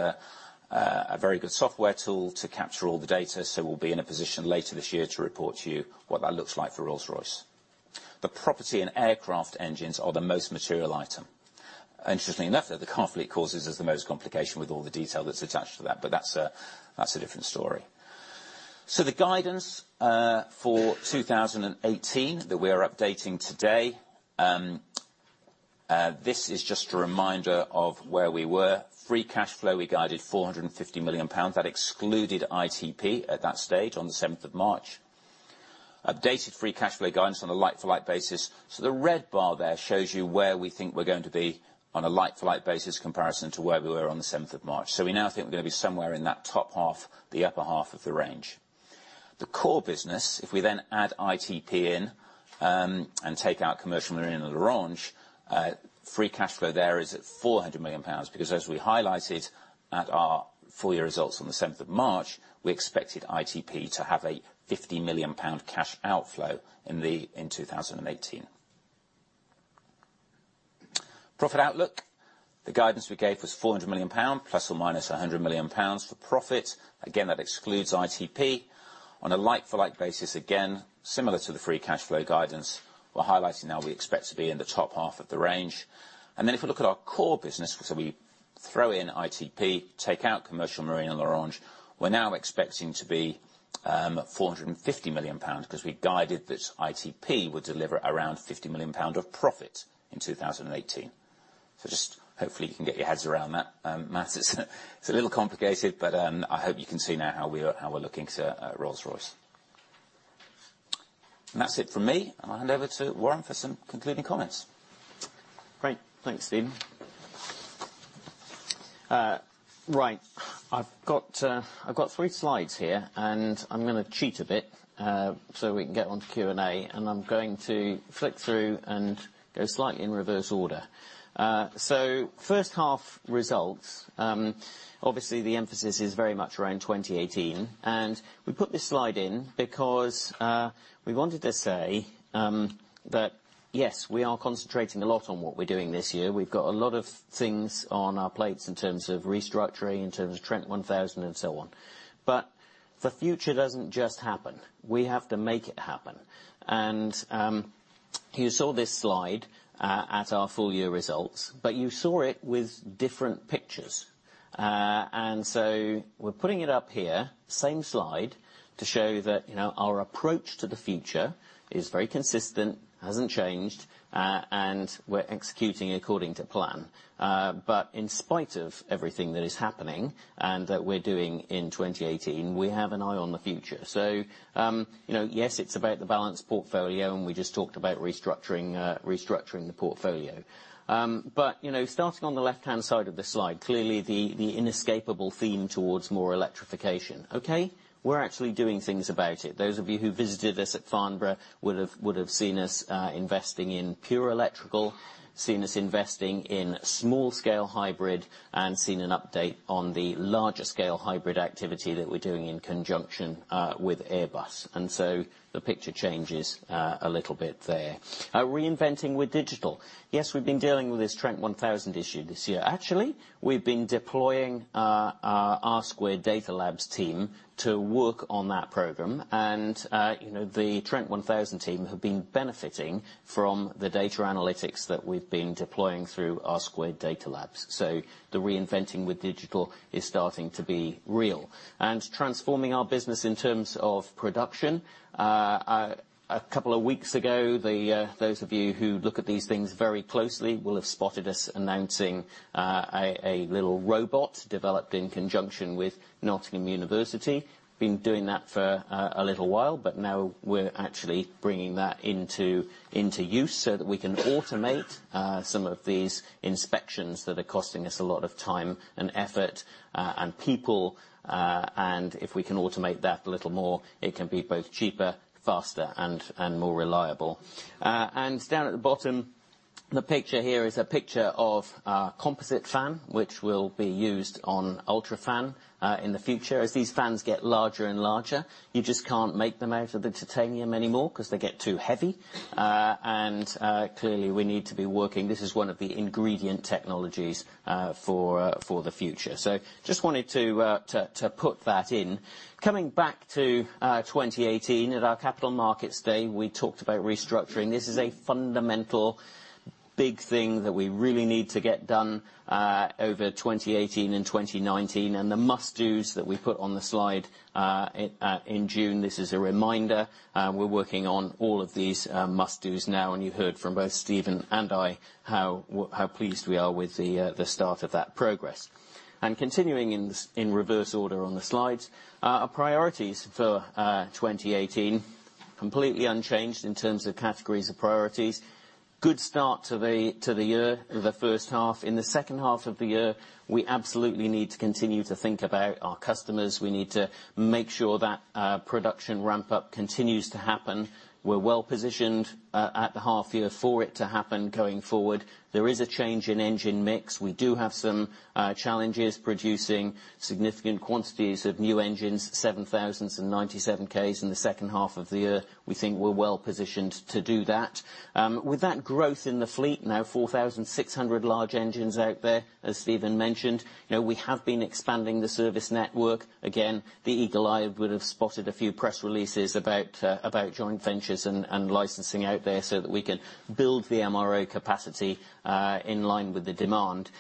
a very good software tool to capture all the data, we'll be in a position later this year to report to you what that looks like for Rolls-Royce. The property and aircraft engines are the most material item. Interestingly enough, though, the car fleet causes us the most complication with all the detail that's attached to that, but that's a different story. The guidance for 2018 that we are updating today, this is just a reminder of where we were. Free cash flow, we guided 450 million pounds. That excluded ITP at that stage on the 7th of March. Updated free cash flow guidance on a like-for-like basis. The red bar there shows you where we think we're going to be on a like-for-like basis comparison to where we were on the 7th of March. We now think we're going to be somewhere in that top half, the upper half of the range. The core business, if we then add ITP in and take out Commercial Marine and L'Orange, free cash flow there is at 400 million pounds because as we highlighted at our full year results on the 7th of March, we expected ITP to have a 50 million pound cash outflow in 2018. Profit outlook, the guidance we gave was 400 million pound ± 100 million pounds for profit. Again, that excludes ITP. On a like-for-like basis, again, similar to the free cash flow guidance, we're highlighting now we expect to be in the top half of the range. If we look at our core business, we throw in ITP, take out Commercial Marine and L'Orange, we're now expecting to be 450 million pounds because we guided that ITP would deliver around 50 million pounds of profit in 2018. Just hopefully you can get your heads around that maths. It's a little complicated, but I hope you can see now how we're looking to Rolls-Royce. That's it from me, and I'll hand over to Warren for some concluding comments. Great. Thanks, Stephen. Right. I've got three slides here, I'm going to cheat a bit, we can get on to Q&A, I'm going to flick through and go slightly in reverse order. First half results. Obviously, the emphasis is very much around 2018. We put this slide in because we wanted to say that, yes, we are concentrating a lot on what we're doing this year. We've got a lot of things on our plates in terms of restructuring, in terms of Trent 1000, and so on. The future doesn't just happen. We have to make it happen. You saw this slide at our full year results, but you saw it with different pictures. We're putting it up here, same slide, to show that our approach to the future is very consistent, hasn't changed, and we're executing according to plan. In spite of everything that is happening and that we're doing in 2018, we have an eye on the future. Yes, it's about the balanced portfolio, and we just talked about restructuring the portfolio. Starting on the left-hand side of the slide, clearly the inescapable theme towards more electrification. Okay. We're actually doing things about it. Those of you who visited us at Farnborough would have seen us investing in pure electrical, seen us investing in small-scale hybrid, and seen an update on the larger scale hybrid activity that we're doing in conjunction with Airbus. The picture changes a little bit there. Reinventing with digital. Yes, we've been dealing with this Trent 1000 issue this year. Actually, we've been deploying our R² Data Labs team to work on that program, and the Trent 1000 team have been benefiting from the data analytics that we've been deploying through our R² Data Labs. The reinventing with digital is starting to be real. Transforming our business in terms of production. A couple of weeks ago, those of you who look at these things very closely will have spotted us announcing a little robot developed in conjunction with University of Nottingham. Been doing that for a little while, but now we're actually bringing that into use so that we can automate some of these inspections that are costing us a lot of time and effort and people. If we can automate that a little more, it can be both cheaper, faster, and more reliable. Down at the bottom, the picture here is a picture of a composite fan, which will be used on UltraFan in the future. As these fans get larger and larger, you just can't make them out of the titanium anymore because they get too heavy. Clearly we need to be working. This is one of the ingredient technologies for the future. Just wanted to put that in. Coming back to 2018. At our Capital Markets Day, we talked about restructuring. This is a fundamental big thing that we really need to get done over 2018 and 2019, and the must-dos that we put on the slide in June. This is a reminder. We're working on all of these must-dos now, and you heard from both Stephen and I how pleased we are with the start of that progress. Continuing in reverse order on the slides. Our priorities for 2018, completely unchanged in terms of categories of priorities. Good start to the year, the first half. In the second half of the year, we absolutely need to continue to think about our customers. We need to make sure that production ramp-up continues to happen. We're well-positioned at the half year for it to happen going forward. There is a change in engine mix. We do have some challenges producing significant quantities of new engines, 7000 and 97Ks in the second half of the year. We think we're well-positioned to do that. With that growth in the fleet now, 4,600 large engines out there, as Stephen mentioned. We have been expanding the service network. Again, the eagle-eyed would have spotted a few press releases about joint ventures and licensing out there so that we can build the MRO capacity in line with the demand.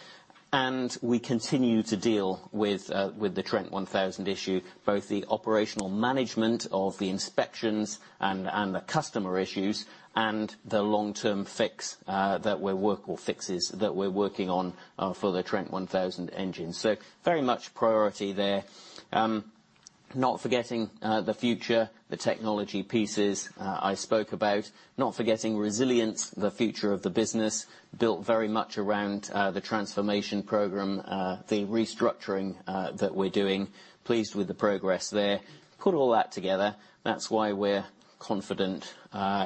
We continue to deal with the Trent 1000 issue, both the operational management of the inspections and the customer issues, and the long-term fixes that we're working on for the Trent 1000 engines. Very much priority there. Not forgetting the future, the technology pieces I spoke about. Not forgetting resilience, the future of the business, built very much around the transformation program, the restructuring that we're doing. Pleased with the progress there. Put all that together, that's why we're confident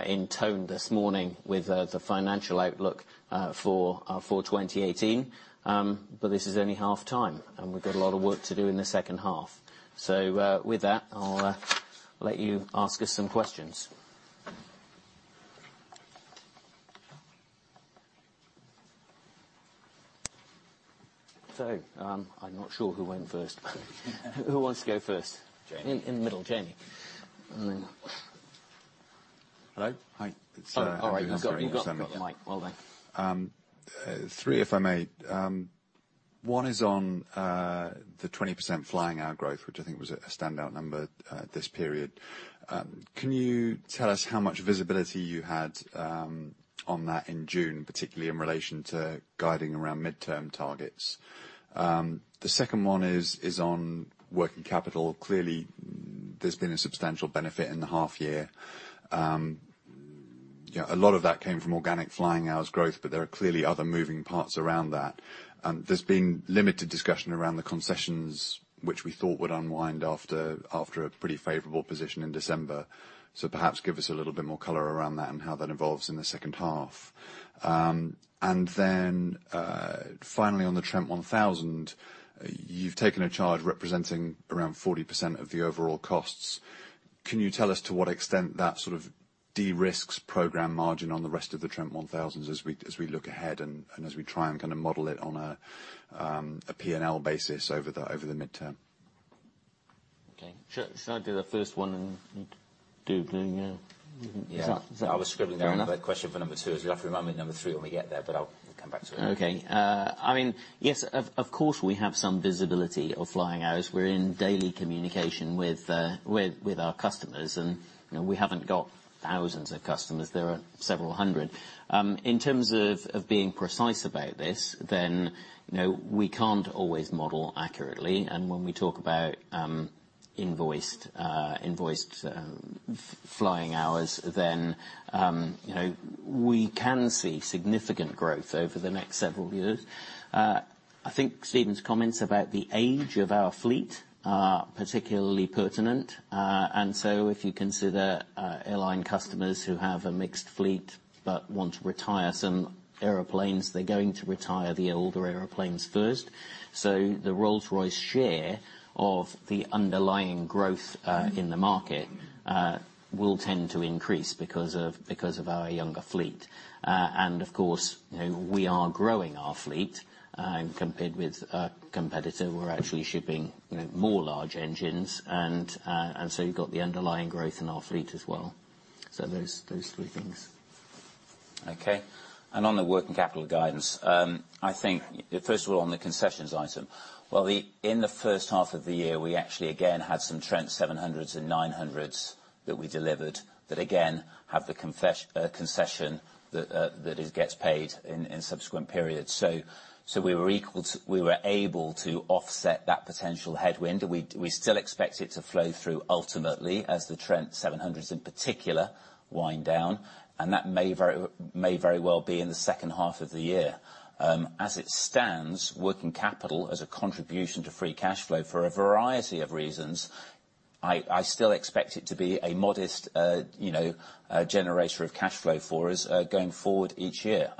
in tone this morning with the financial outlook for 2018. This is only half time, and we've got a lot of work to do in the second half. With that, I'll let you ask us some questions. I'm not sure who went first. Who wants to go first? Jamie. In the middle. Jamie. Hello? Hi. It's Andrew from Bernstein. All right. You've got the mic. Well done. Three, if I may. One is on the 20% flying hour growth, which I think was a standout number this period. Can you tell us how much visibility you had on that in June, particularly in relation to guiding around midterm targets? The second one is on working capital. Clearly, there's been a substantial benefit in the half year. A lot of that came from organic flying hours growth, but there are clearly other moving parts around that. There's been limited discussion around the concessions, which we thought would unwind after a pretty favorable position in December. Perhaps give us a little bit more color around that and how that evolves in the second half. Finally on the Trent 1000. You've taken a charge representing around 40% of the overall costs. Can you tell us to what extent that sort of de-risks program margin on the rest of the Trent 1000s as we look ahead and as we try and kind of model it on a P&L basis over the midterm? Shall I do the first one and do blue? Yeah. Yeah. Is that- I was scribbling down- Fair enough a question for number two, as you'll have to remind me of number three when we get there, but I'll come back to it. Okay. Yes, of course we have some visibility of flying hours. We're in daily communication with our customers, and we haven't got thousands of customers. There are several hundred. In terms of being precise about this, then we can't always model accurately. When we talk about invoiced flying hours, then we can see significant growth over the next several years. I think Stephen's comments about the age of our fleet are particularly pertinent. If you consider airline customers who have a mixed fleet but want to retire some airplanes, they're going to retire the older airplanes first. The Rolls-Royce share of the underlying growth in the market will tend to increase because of our younger fleet. Of course, we are growing our fleet. Compared with a competitor, we're actually shipping more large engines. You've got the underlying growth in our fleet as well. those three things. Okay. On the working capital guidance, first of all, on the concessions item. In the first half of the year, we actually again had some Trent 700s and 900s that we delivered that again, have the concession that it gets paid in subsequent periods. We were able to offset that potential headwind. We still expect it to flow through ultimately, as the Trent 700s in particular wind down, and that may very well be in the second half of the year. As it stands, working capital as a contribution to free cash flow for a variety of reasons, I still expect it to be a modest generator of cash flow for us going forward each year.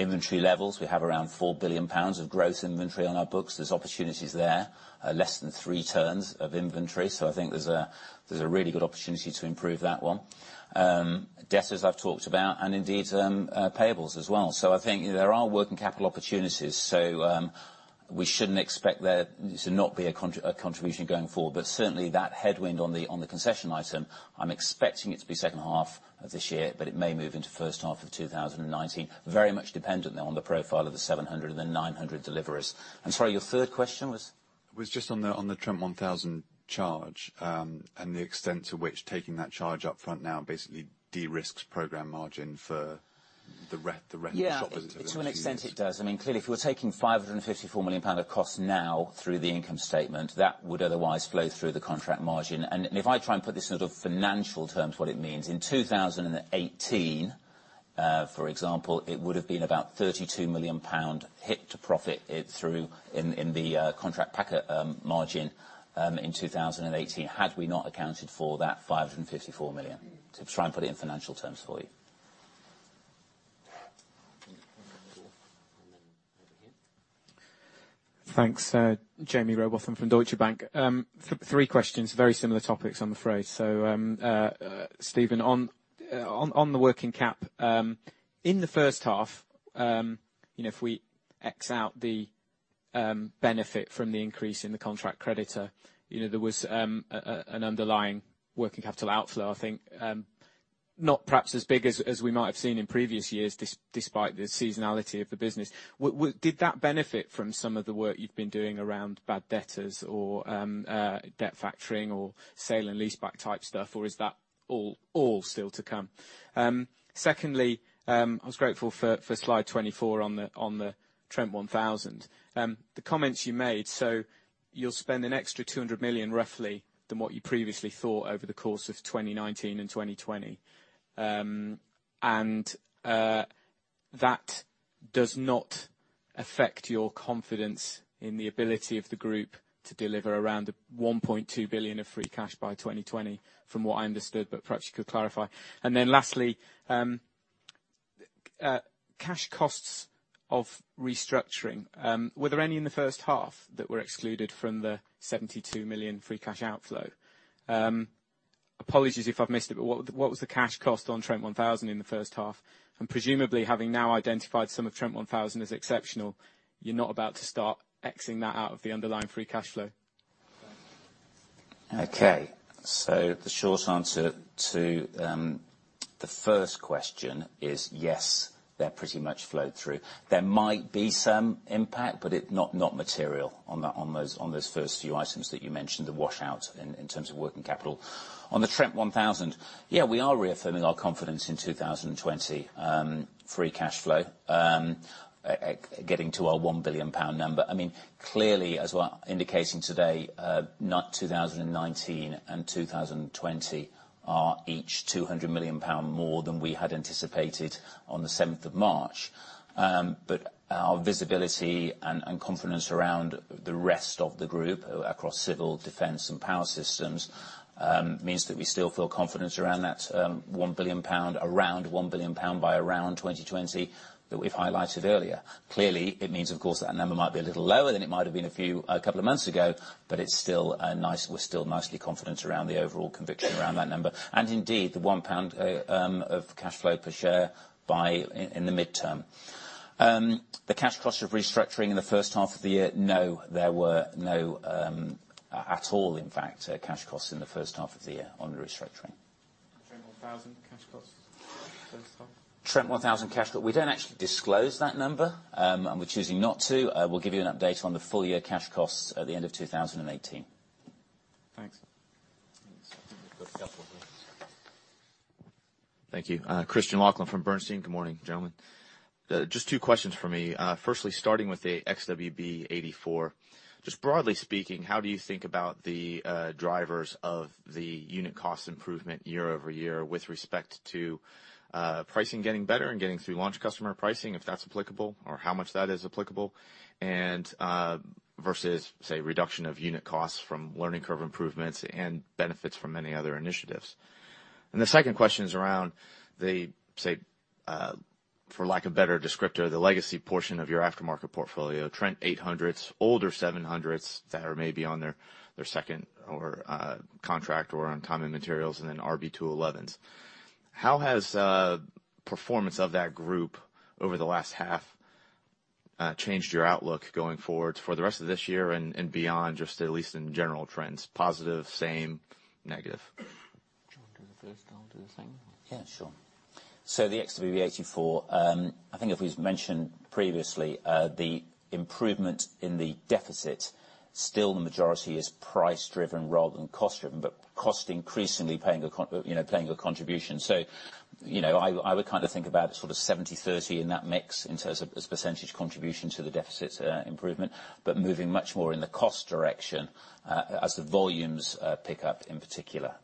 Inventory levels, we have around 4 billion pounds of gross inventory on our books. There's opportunities there. Less than three turns of inventory. I think there's a really good opportunity to improve that one. Debtors I've talked about, and indeed, payables as well. There are working capital opportunities. We shouldn't expect there to not be a contribution going forward. Certainly that headwind on the concession item, I'm expecting it to be second half of this year, but it may move into first half of 2019. Very much dependent on the profile of the 700 and the 900 deliveries. I'm sorry, your third question was? Was just on the Trent 1000 charge, the extent to which taking that charge up front now basically de-risks program margin for the rest of the shop as it were. Yeah. To an extent it does. Clearly, if we're taking 554 million pound of cost now through the income statement, that would otherwise flow through the contract margin. If I try and put this in sort of financial terms what it means, in 2018, for example, it would have been about 32 million pound hit to profit in the contract margin in 2018 had we not accounted for that 554 million. To try and put it in financial terms for you. Then over here. Thanks. Jamie Rowbotham from Deutsche Bank. Three questions, very similar topics, I'm afraid. Stephen, on the working cap, in the first half, if we X out the benefit from the increase in the contract creditor, there was an underlying working capital outflow. I think, not perhaps as big as we might have seen in previous years, despite the seasonality of the business. Did that benefit from some of the work you've been doing around bad debtors or debt factoring or sale and leaseback type stuff, or is that all still to come? Secondly, I was grateful for slide 24 on the Trent 1000. The comments you made, you'll spend an extra 200 million roughly than what you previously thought over the course of 2019 and 2020. That does not affect your confidence in the ability of the group to deliver around the 1.2 billion of free cash by 2020, from what I understood, perhaps you could clarify. Lastly, cash costs of restructuring. Were there any in the first half that were excluded from the 72 million free cash outflow? Apologies if I've missed it, but what was the cash cost on Trent 1000 in the first half? Presumably, having now identified some of Trent 1000 as exceptional, you're not about to start X'ing that out of the underlying free cash flow. The short answer to the first question is yes, they're pretty much flowed through. There might be some impact, but not material on those first few items that you mentioned, the wash-out in terms of working capital. On the Trent 1000, yeah, we are reaffirming our confidence in 2020 free cash flow, getting to our 1 billion pound number. Clearly as we are indicating today, not 2019 and 2020 are each 200 million pound more than we had anticipated on the 7th of March. Our visibility and confidence around the rest of the group across civil, defence, and Power Systems, means that we still feel confidence around that 1 billion pound, around 1 billion pound by around 2020 that we've highlighted earlier. Clearly, it means, of course, that number might be a little lower than it might have been a couple of months ago, we're still mostly confident around the overall conviction around that number. Indeed, the 1 pound of cash flow per share in the midterm. The cash cost of restructuring in the first half of the year, there were no, at all in fact, cash costs in the first half of the year on the restructuring. Trent 1000 cash costs, first half? Trent 1000 cash cost. We don't actually disclose that number. We're choosing not to. We'll give you an update on the full year cash costs at the end of 2018. Thanks. We've got a couple here. Thank you. Christian Sell from Bernstein. Good morning, gentlemen. Just two questions from me. Firstly, starting with the XWB-84. Broadly speaking, how do you think about the drivers of the unit cost improvement year-over-year with respect to pricing getting better and getting through launch customer pricing, if that's applicable, or how much that is applicable? Versus, say, reduction of unit costs from learning curve improvements and benefits from any other initiatives. The second question is around the, say for lack of better descriptor, the legacy portion of your aftermarket portfolio, Trent 800s, older 700s that are maybe on their second or contract or on time and materials, and then RB211s. How has performance of that group over the last half changed your outlook going forward for the rest of this year and beyond, just at least in general trends, positive, same, negative? Do you want to do the first, I'll do the second? Yeah, sure. The XWB-84. I think as we've mentioned previously, the improvement in the deficit, still the majority is price driven rather than cost driven, but cost increasingly playing a contribution. I would think about sort of 70/30 in that mix in terms of as % contribution to the deficit improvement. Moving much more in the cost direction, as the volumes pick up in particular.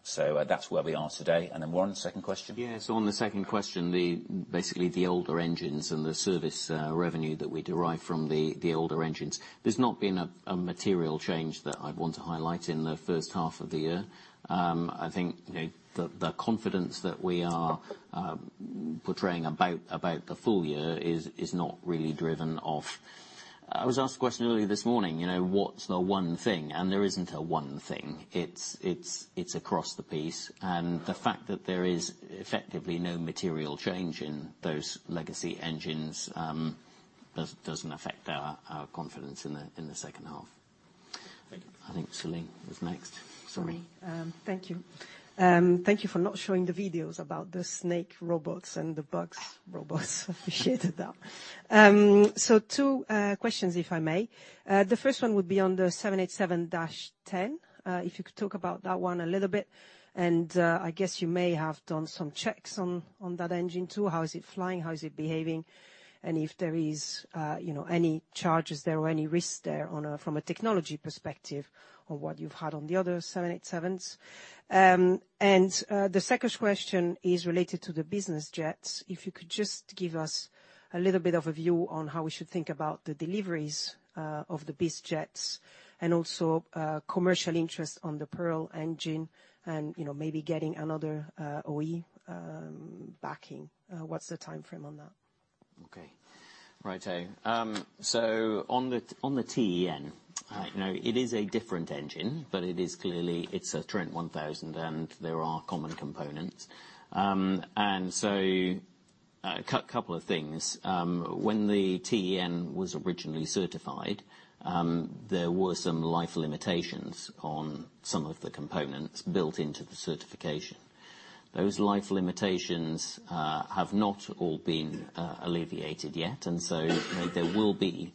That's where we are today. Warren, second question? Yes, on the second question, basically the older engines and the service revenue that we derive from the older engines. There's not been a material change that I'd want to highlight in the first half of the year. I think the confidence that we are portraying about the full year is not really driven off I was asked a question earlier this morning, what's the one thing? There isn't a one thing. It's across the piece. The fact that there is effectively no material change in those legacy engines, doesn't affect our confidence in the second half. Thank you. I think Celine was next. Sorry. Celine. Thank you. Thank you for not showing the videos about the snake robots and the bugs robots. Appreciated that. Two questions, if I may. The first one would be on the Boeing 787-10. If you could talk about that one a little bit. I guess you may have done some checks on that engine, too. How is it flying? How is it behaving? If there is any charges there or any risks there from a technology perspective on what you've had on the other 787s. The second question is related to the business jets. If you could just give us a little bit of a view on how we should think about the deliveries of the biz jets and also commercial interest on the Pearl engine and maybe getting another OE backing. What's the timeframe on that? Okay. Right. On the TEN. It is a different engine, but it is clearly a Trent 1000, and there are common components. A couple of things. When the TEN was originally certified, there were some life limitations on some of the components built into the certification. Those life limitations have not all been alleviated yet, there will be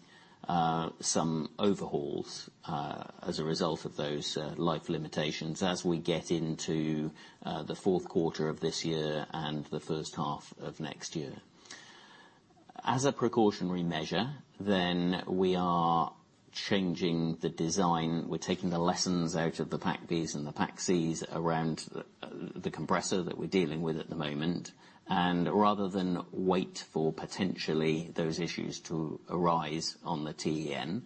some overhauls as a result of those life limitations as we get into the fourth quarter of this year and the first half of next year. As a precautionary measure, we are changing the design. We're taking the lessons out of the Package Bs and the Package Cs around the compressor that we're dealing with at the moment, and rather than wait for potentially those issues to arise on the TEN,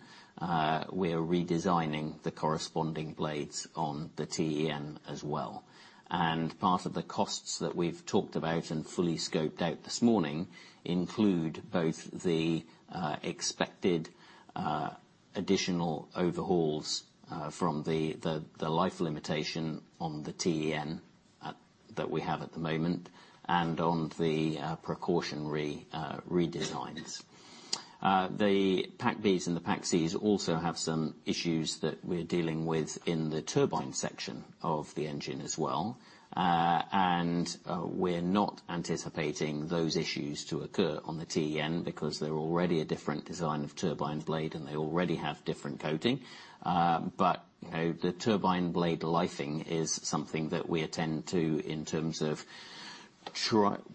we're redesigning the corresponding blades on the TEN as well. Part of the costs that we've talked about and fully scoped out this morning include both the expected additional overhauls from the life limitation on the TEN that we have at the moment, and on the precautionary redesigns. The Package Bs and the Package Cs also have some issues that we're dealing with in the turbine section of the engine as well. We're not anticipating those issues to occur on the TEN because they're already a different design of turbine blade, and they already have different coating. The turbine blade lifing is something that we attend to in terms of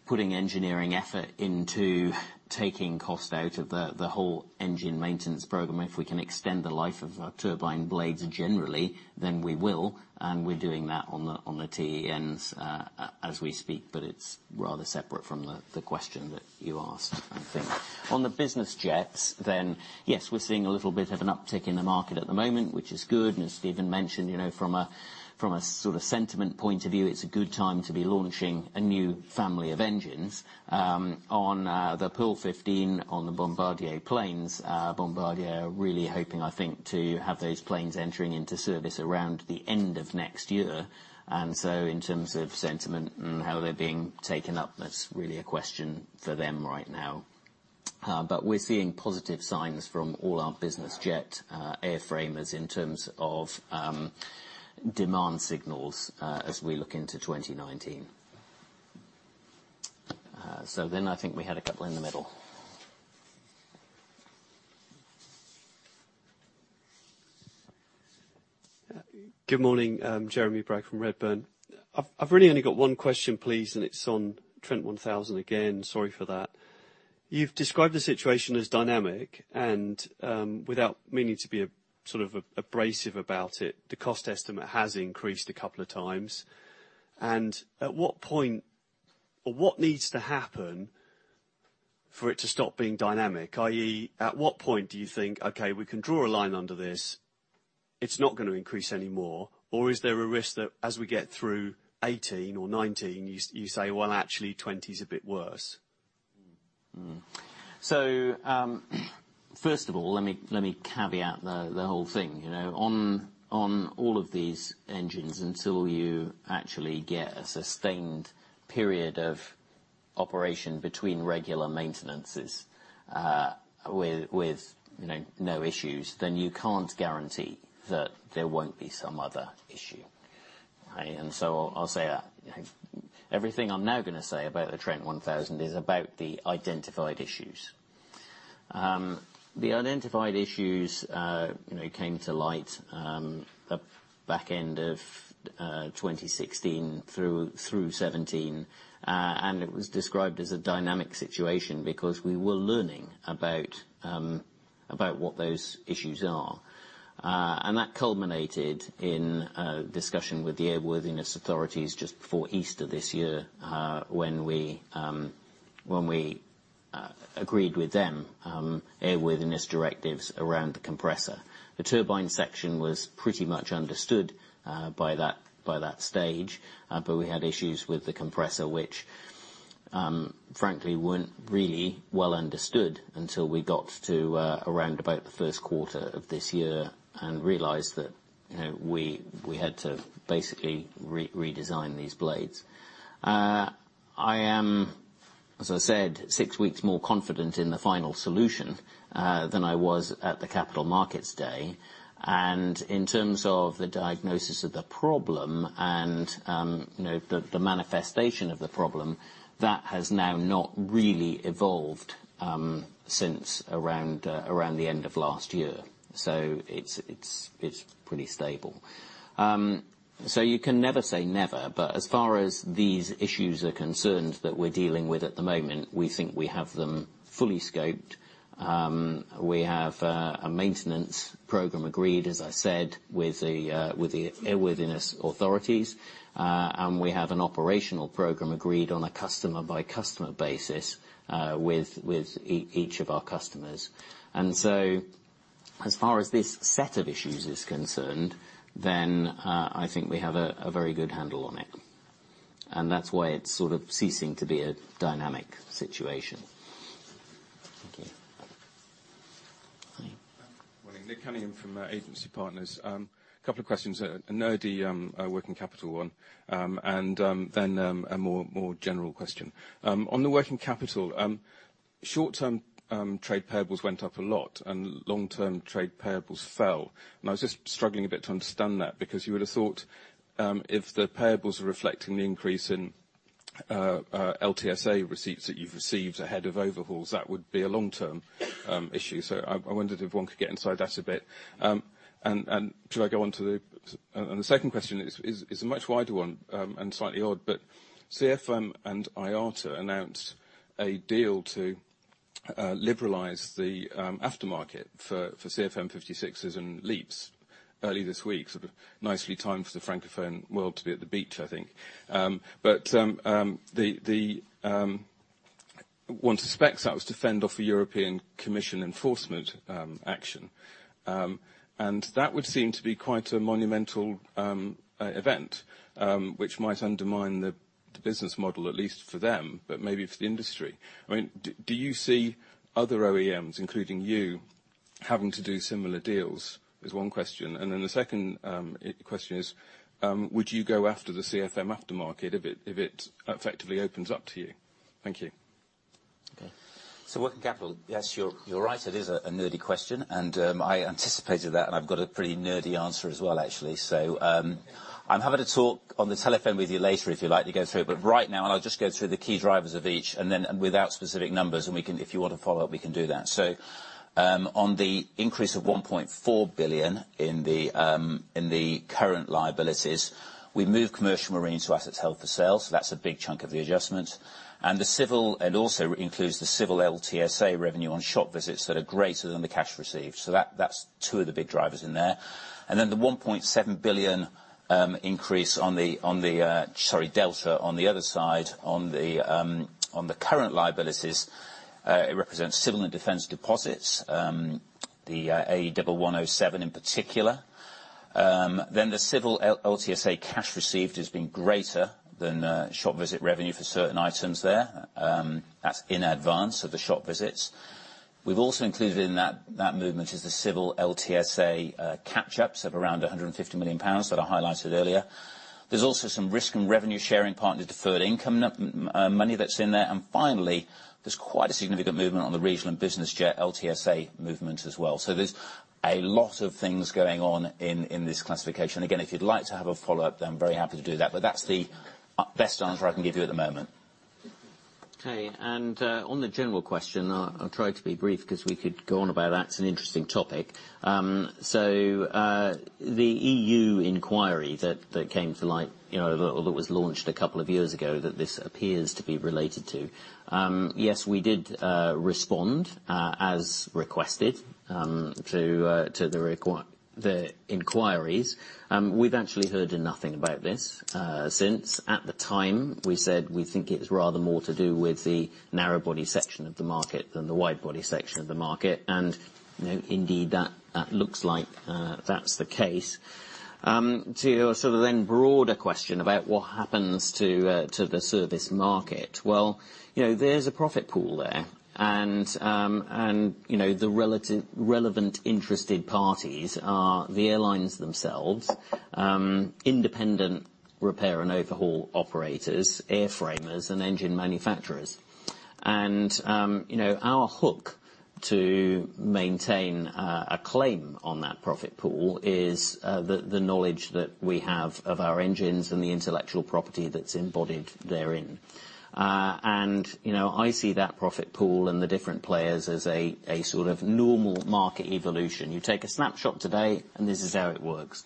putting engineering effort into taking cost out of the whole engine maintenance program. If we can extend the life of our turbine blades generally, we will, and we're doing that on the TENs as we speak, but it's rather separate from the question that you asked, I think. On the business jets, yes, we're seeing a little bit of an uptick in the market at the moment, which is good. As Stephen mentioned, from a sort of sentiment point of view, it's a good time to be launching a new family of engines. On the Pearl 15 on the Bombardier planes. Bombardier are really hoping, I think, to have those planes entering into service around the end of next year. In terms of sentiment and how they're being taken up, that's really a question for them right now. We're seeing positive signs from all our business jet airframers in terms of demand signals as we look into 2019. I think we had a couple in the middle. Good morning. Zafar Khan from Redburn. I've really only got one question, please, and it's on Trent 1000 again. Sorry for that. You've described the situation as dynamic and without meaning to be abrasive about it, the cost estimate has increased a couple of times. At what point, or what needs to happen for it to stop being dynamic? I.e., at what point do you think, okay, we can draw a line under this, it's not going to increase anymore? Is there a risk that as we get through 2018 or 2019, you say, "Well, actually 2020's a bit worse? First of all, let me caveat the whole thing. On all of these engines, until you actually get a sustained period of operation between regular maintenances, with no issues, then you can't guarantee that there won't be some other issue. I'll say that. Everything I'm now going to say about the Trent 1000 is about the identified issues. The identified issues came to light the back end of 2016 through 2017. It was described as a dynamic situation because we were learning about what those issues are. That culminated in a discussion with the airworthiness authorities just before Easter this year, when we agreed with them airworthiness directives around the compressor. The turbine section was pretty much understood by that stage. We had issues with the compressor, which frankly weren't really well understood until we got to around about the first quarter of this year and realized that we had to basically redesign these blades. I am, as I said, six weeks more confident in the final solution than I was at the Capital Markets Day. In terms of the diagnosis of the problem and the manifestation of the problem, that has now not really evolved since around the end of last year. It's pretty stable. You can never say never, but as far as these issues are concerned that we're dealing with at the moment, we think we have them fully scoped. We have a maintenance program agreed, as I said, with the airworthiness authorities. We have an operational program agreed on a customer-by-customer basis, with each of our customers. As far as this set of issues is concerned, then I think we have a very good handle on it. That's why it's sort of ceasing to be a dynamic situation. Thank you. Hi. Morning. Nick Cunningham from Agency Partners. Couple of questions. A nerdy working capital one, and then a more general question. On the working capital, short-term trade payables went up a lot, long-term trade payables fell. I was just struggling a bit to understand that, because you would've thought if the payables are reflecting the increase in LTSA receipts that you've received ahead of overhauls, that would be a long-term issue. I wondered if one could get inside that a bit. Should I go on to the The second question is a much wider one, and slightly odd, CFM and IATA announced a deal to liberalize the aftermarket for CFM56s and LEAP early this week, sort of nicely timed for the Francophone world to be at the beach, I think. One suspects that was to fend off a European Commission enforcement action. That would seem to be quite a monumental event, which might undermine the business model, at least for them, but maybe for the industry. Do you see other OEMs, including you, having to do similar deals? Is one question. Then the second question is, would you go after the CFM aftermarket if it effectively opens up to you? Thank you. Okay. Working capital, yes, you're right. It is a nerdy question, and I anticipated that, and I've got a pretty nerdy answer as well, actually. I'm happy to talk on the telephone with you later if you'd like to go through, but right now, I'll just go through the key drivers of each, then, without specific numbers, if you want to follow up, we can do that. On the increase of 1.4 billion in the current liabilities, we moved Commercial Marine to assets held for sale. That's a big chunk of the adjustment. Also includes the Civil LTSA revenue on shop visits that are greater than the cash received. That's two of the big drivers in there. The 1.7 billion increase on the, sorry, delta on the other side, on the current liabilities, it represents civil and defence deposits, the AE 1107 in particular. The civil LTSA cash received has been greater than shop visit revenue for certain items there. That's in advance of the shop visits. We've also included in that movement is the civil LTSA catch-ups of around 150 million pounds that I highlighted earlier. There's also some risk and revenue sharing partner deferred income money that's in there. Finally, there's quite a significant movement on the regional and business jet LTSA movement as well. There's a lot of things going on in this classification. If you'd like to have a follow-up, then I'm very happy to do that. That's the best answer I can give you at the moment. Okay. On the general question, I'll try to be brief because we could go on about that. It's an interesting topic. The EU inquiry that came to light, that was launched a couple of years ago, that this appears to be related to. Yes, we did respond, as requested, to the inquiries. We've actually heard nothing about this since. At the time, we said we think it's rather more to do with the narrow body section of the market than the wide body section of the market. Indeed, that looks like that's the case. To a sort of then broader question about what happens to the service market. Well, there's a profit pool there and the relevant interested parties are the airlines themselves, independent repair and overhaul operators, airframers, and engine manufacturers. Our hook to maintain a claim on that profit pool is the knowledge that we have of our engines and the intellectual property that's embodied therein. I see that profit pool and the different players as a sort of normal market evolution. You take a snapshot today, and this is how it works.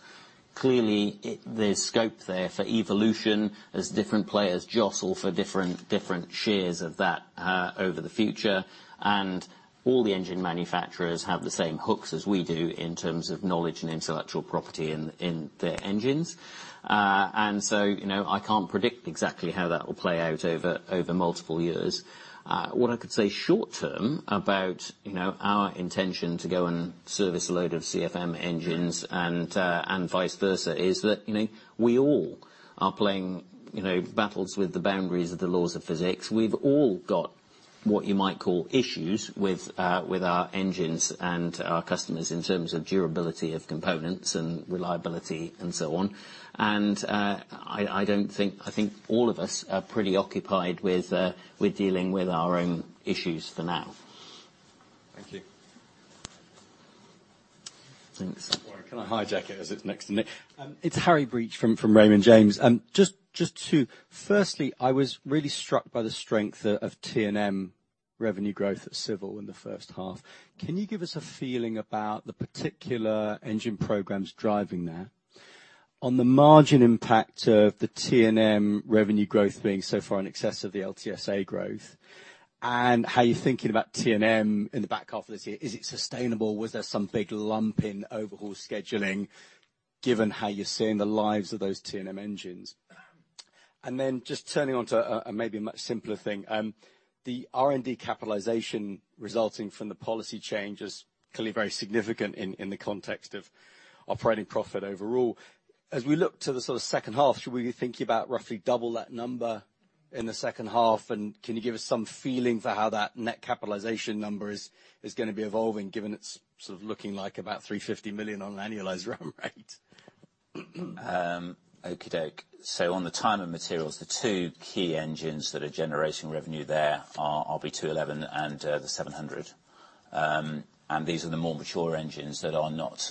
Clearly, there's scope there for evolution as different players jostle for different shares of that over the future. All the engine manufacturers have the same hooks as we do in terms of knowledge and intellectual property in their engines. So, I can't predict exactly how that will play out over multiple years. What I could say short term about our intention to go and service a load of CFM engines and vice versa is that we all are playing battles with the boundaries of the laws of physics. We've all got what you might call issues with our engines and our customers in terms of durability of components and reliability and so on. I think all of us are pretty occupied with dealing with our own issues for now. Thank you. Thanks. Can I hijack it as it's next to me? It's Harry Breach from Raymond James. Just two. Firstly, I was really struck by the strength of T&M revenue growth at Civil in the first half. Can you give us a feeling about the particular engine programs driving that? On the margin impact of the T&M revenue growth being so far in excess of the LTSA growth, and how you're thinking about T&M in the back half of this year. Is it sustainable? Was there some big lump in overhaul scheduling given how you're seeing the lives of those T&M engines? Then just turning on to a maybe much simpler thing. The R&D capitalization resulting from the policy change is clearly very significant in the context of operating profit overall. As we look to the sort of second half, should we be thinking about roughly double that number in the second half? Can you give us some feeling for how that net capitalization number is going to be evolving given it's sort of looking like about 350 million on annualized run rate? Okay-doke. On the T&M, the two key engines that are generating revenue there are RB211 and the Trent 700. These are the more mature engines that are not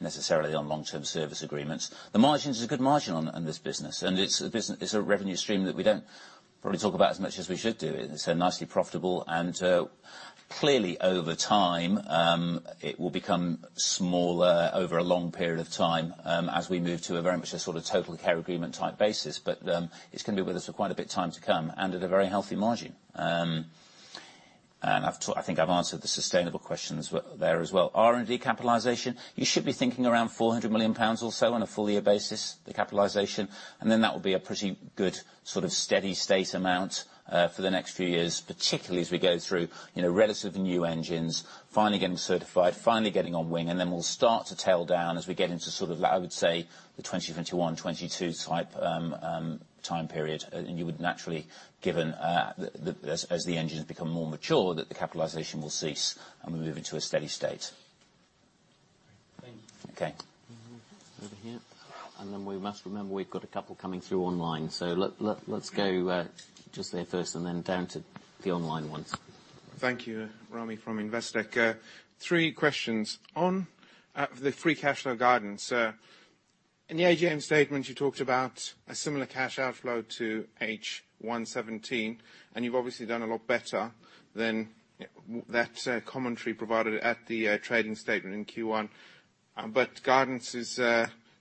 necessarily on long-term service agreements. The margins, there's a good margin on this business, and it's a revenue stream that we don't probably talk about as much as we should do. It's nicely profitable and clearly over time, it will become smaller over a long period of time as we move to a very much a sort of TotalCare agreement type basis. It's going to be with us for quite a bit of time to come and at a very healthy margin. I think I've answered the sustainable questions there as well. R&D capitalization, you should be thinking around 400 million pounds or so on a full year basis, the capitalization, that will be a pretty good sort of steady state amount for the next few years, particularly as we go through relatively new engines, finally getting certified, finally getting on wing, then we'll start to tail down as we get into sort of, I would say, the 2021, 2022 type time period. You would naturally, as the engines become more mature, that the capitalization will cease and we'll move into a steady state. Thank you. Okay. Over here. We must remember, we've got a couple coming through online. Let's go just there first and then down to the online ones. Thank you. Rami from Investec. Three questions. On the free cash flow guidance. In the AGM statement, you talked about a similar cash outflow to H1 2017, and you've obviously done a lot better than that commentary provided at the trading statement in Q1. Guidance is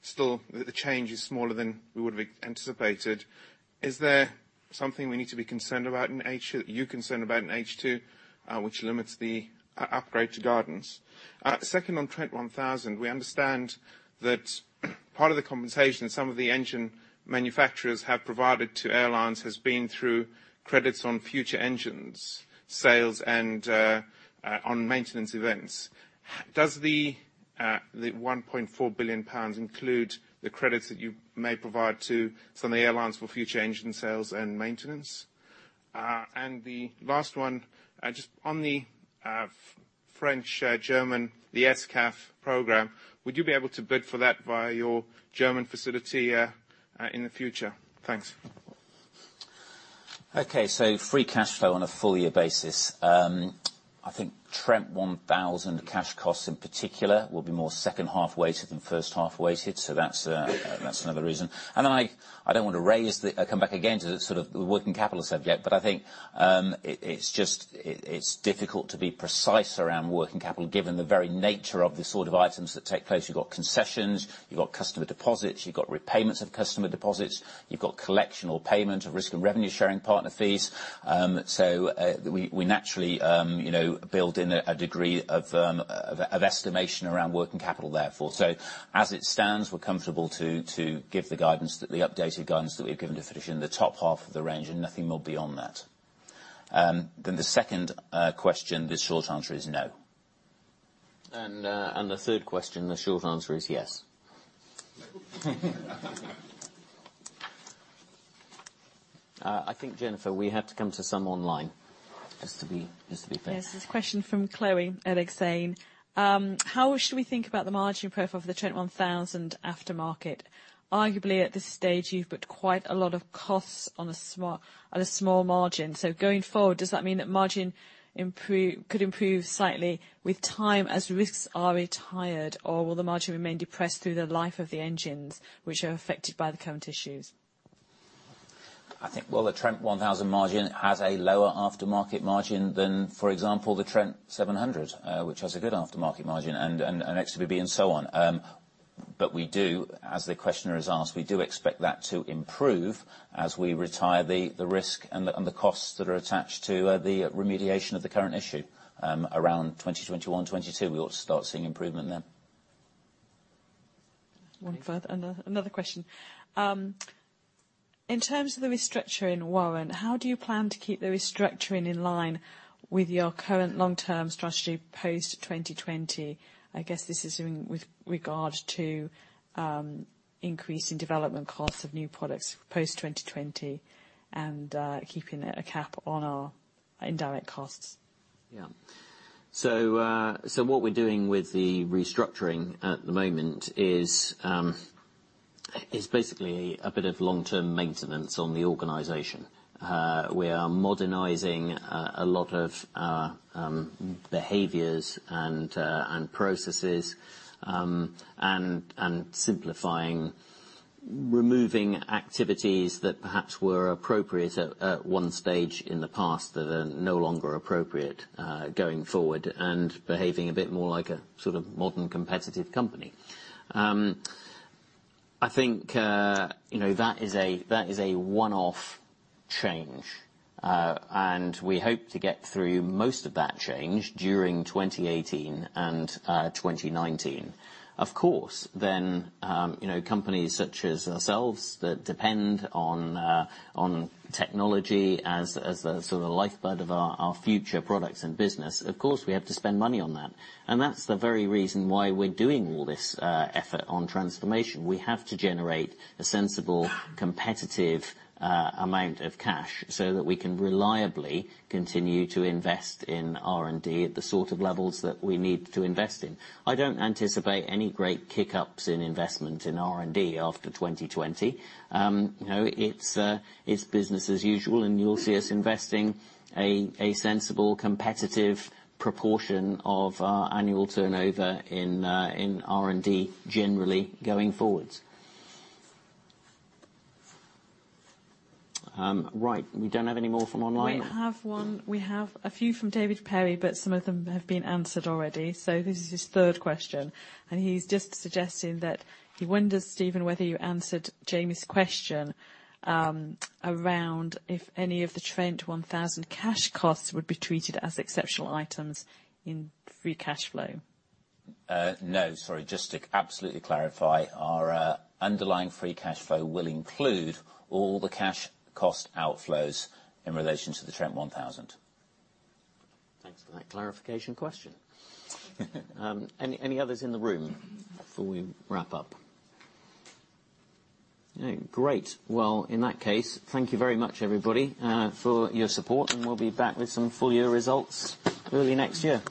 still, the change is smaller than we would have anticipated. Is there something we need to be concerned about, you concerned about in H2, which limits the upgrade to guidance? Second, on Trent 1000, we understand that part of the compensation some of the engine manufacturers have provided to airlines has been through credits on future engines, sales and on maintenance events. Does the 1.4 billion pounds include the credits that you may provide to some of the airlines for future engine sales and maintenance? The last one, just on the French, German, the SCAF program, would you be able to bid for that via your German facility in the future? Thanks. Free cash flow on a full year basis. I think Trent 1000 cash costs in particular will be more second half weighted than first half weighted. That's another reason. I don't want to come back again to the working capital subject, but I think it's difficult to be precise around working capital, given the very nature of the sort of items that take place. You've got concessions. You've got customer deposits. You've got repayments of customer deposits. You've got collection or payment of risk and revenue-sharing partner fees. We naturally build in a degree of estimation around working capital, therefore. As it stands, we're comfortable to give the updated guidance that we've given to finish in the top half of the range and nothing more beyond that. The second question, the short answer is no. The third question, the short answer is yes. I think, Jennifer, we have to come to some online, just to be fair. Yes. There's a question from Chloé Lemarié. How should we think about the margin profile for the Trent 1000 aftermarket? Arguably, at this stage, you've put quite a lot of costs on a small margin. Going forward, does that mean that margin could improve slightly with time as risks are retired, or will the margin remain depressed through the life of the engines, which are affected by the current issues? I think while the Trent 1000 margin has a lower aftermarket margin than, for example, the Trent 700, which has a good aftermarket margin, and Trent XWB and so on. We do, as the questioner has asked, we do expect that to improve as we retire the risk and the costs that are attached to the remediation of the current issue. Around 2021, 2022, we ought to start seeing improvement then. One further, another question. In terms of the restructuring, Warren, how do you plan to keep the restructuring in line with your current long-term strategy post 2020? I guess this is with regard to increase in development costs of new products post 2020 and keeping a cap on our indirect costs. Yeah. What we're doing with the restructuring at the moment is basically a bit of long-term maintenance on the organization. We are modernizing a lot of our behaviors and processes, simplifying, removing activities that perhaps were appropriate at one stage in the past that are no longer appropriate going forward, and behaving a bit more like a modern competitive company. I think that is a one-off change, and we hope to get through most of that change during 2018 and 2019. Companies such as ourselves that depend on technology as the sort of lifeblood of our future products and business, of course, we have to spend money on that. That's the very reason why we're doing all this effort on transformation. We have to generate a sensible, competitive amount of cash so that we can reliably continue to invest in R&D at the sort of levels that we need to invest in. I don't anticipate any great kick-ups in investment in R&D after 2020. It's business as usual, and you'll see us investing a sensible, competitive proportion of our annual turnover in R&D generally going forwards. Right. We don't have any more from online? We have one. We have a few from David Perry, but some of them have been answered already. This is his third question, and he's just suggesting that he wonders, Stephen, whether you answered Jamie's question around if any of the Trent 1000 cash costs would be treated as exceptional items in free cash flow. No, sorry. Just to absolutely clarify, our underlying free cash flow will include all the cash cost outflows in relation to the Trent 1000. Thanks for that clarification question. Any others in the room before we wrap up? No. Great. Well, in that case, thank you very much, everybody, for your support, and we'll be back with some full year results early next year.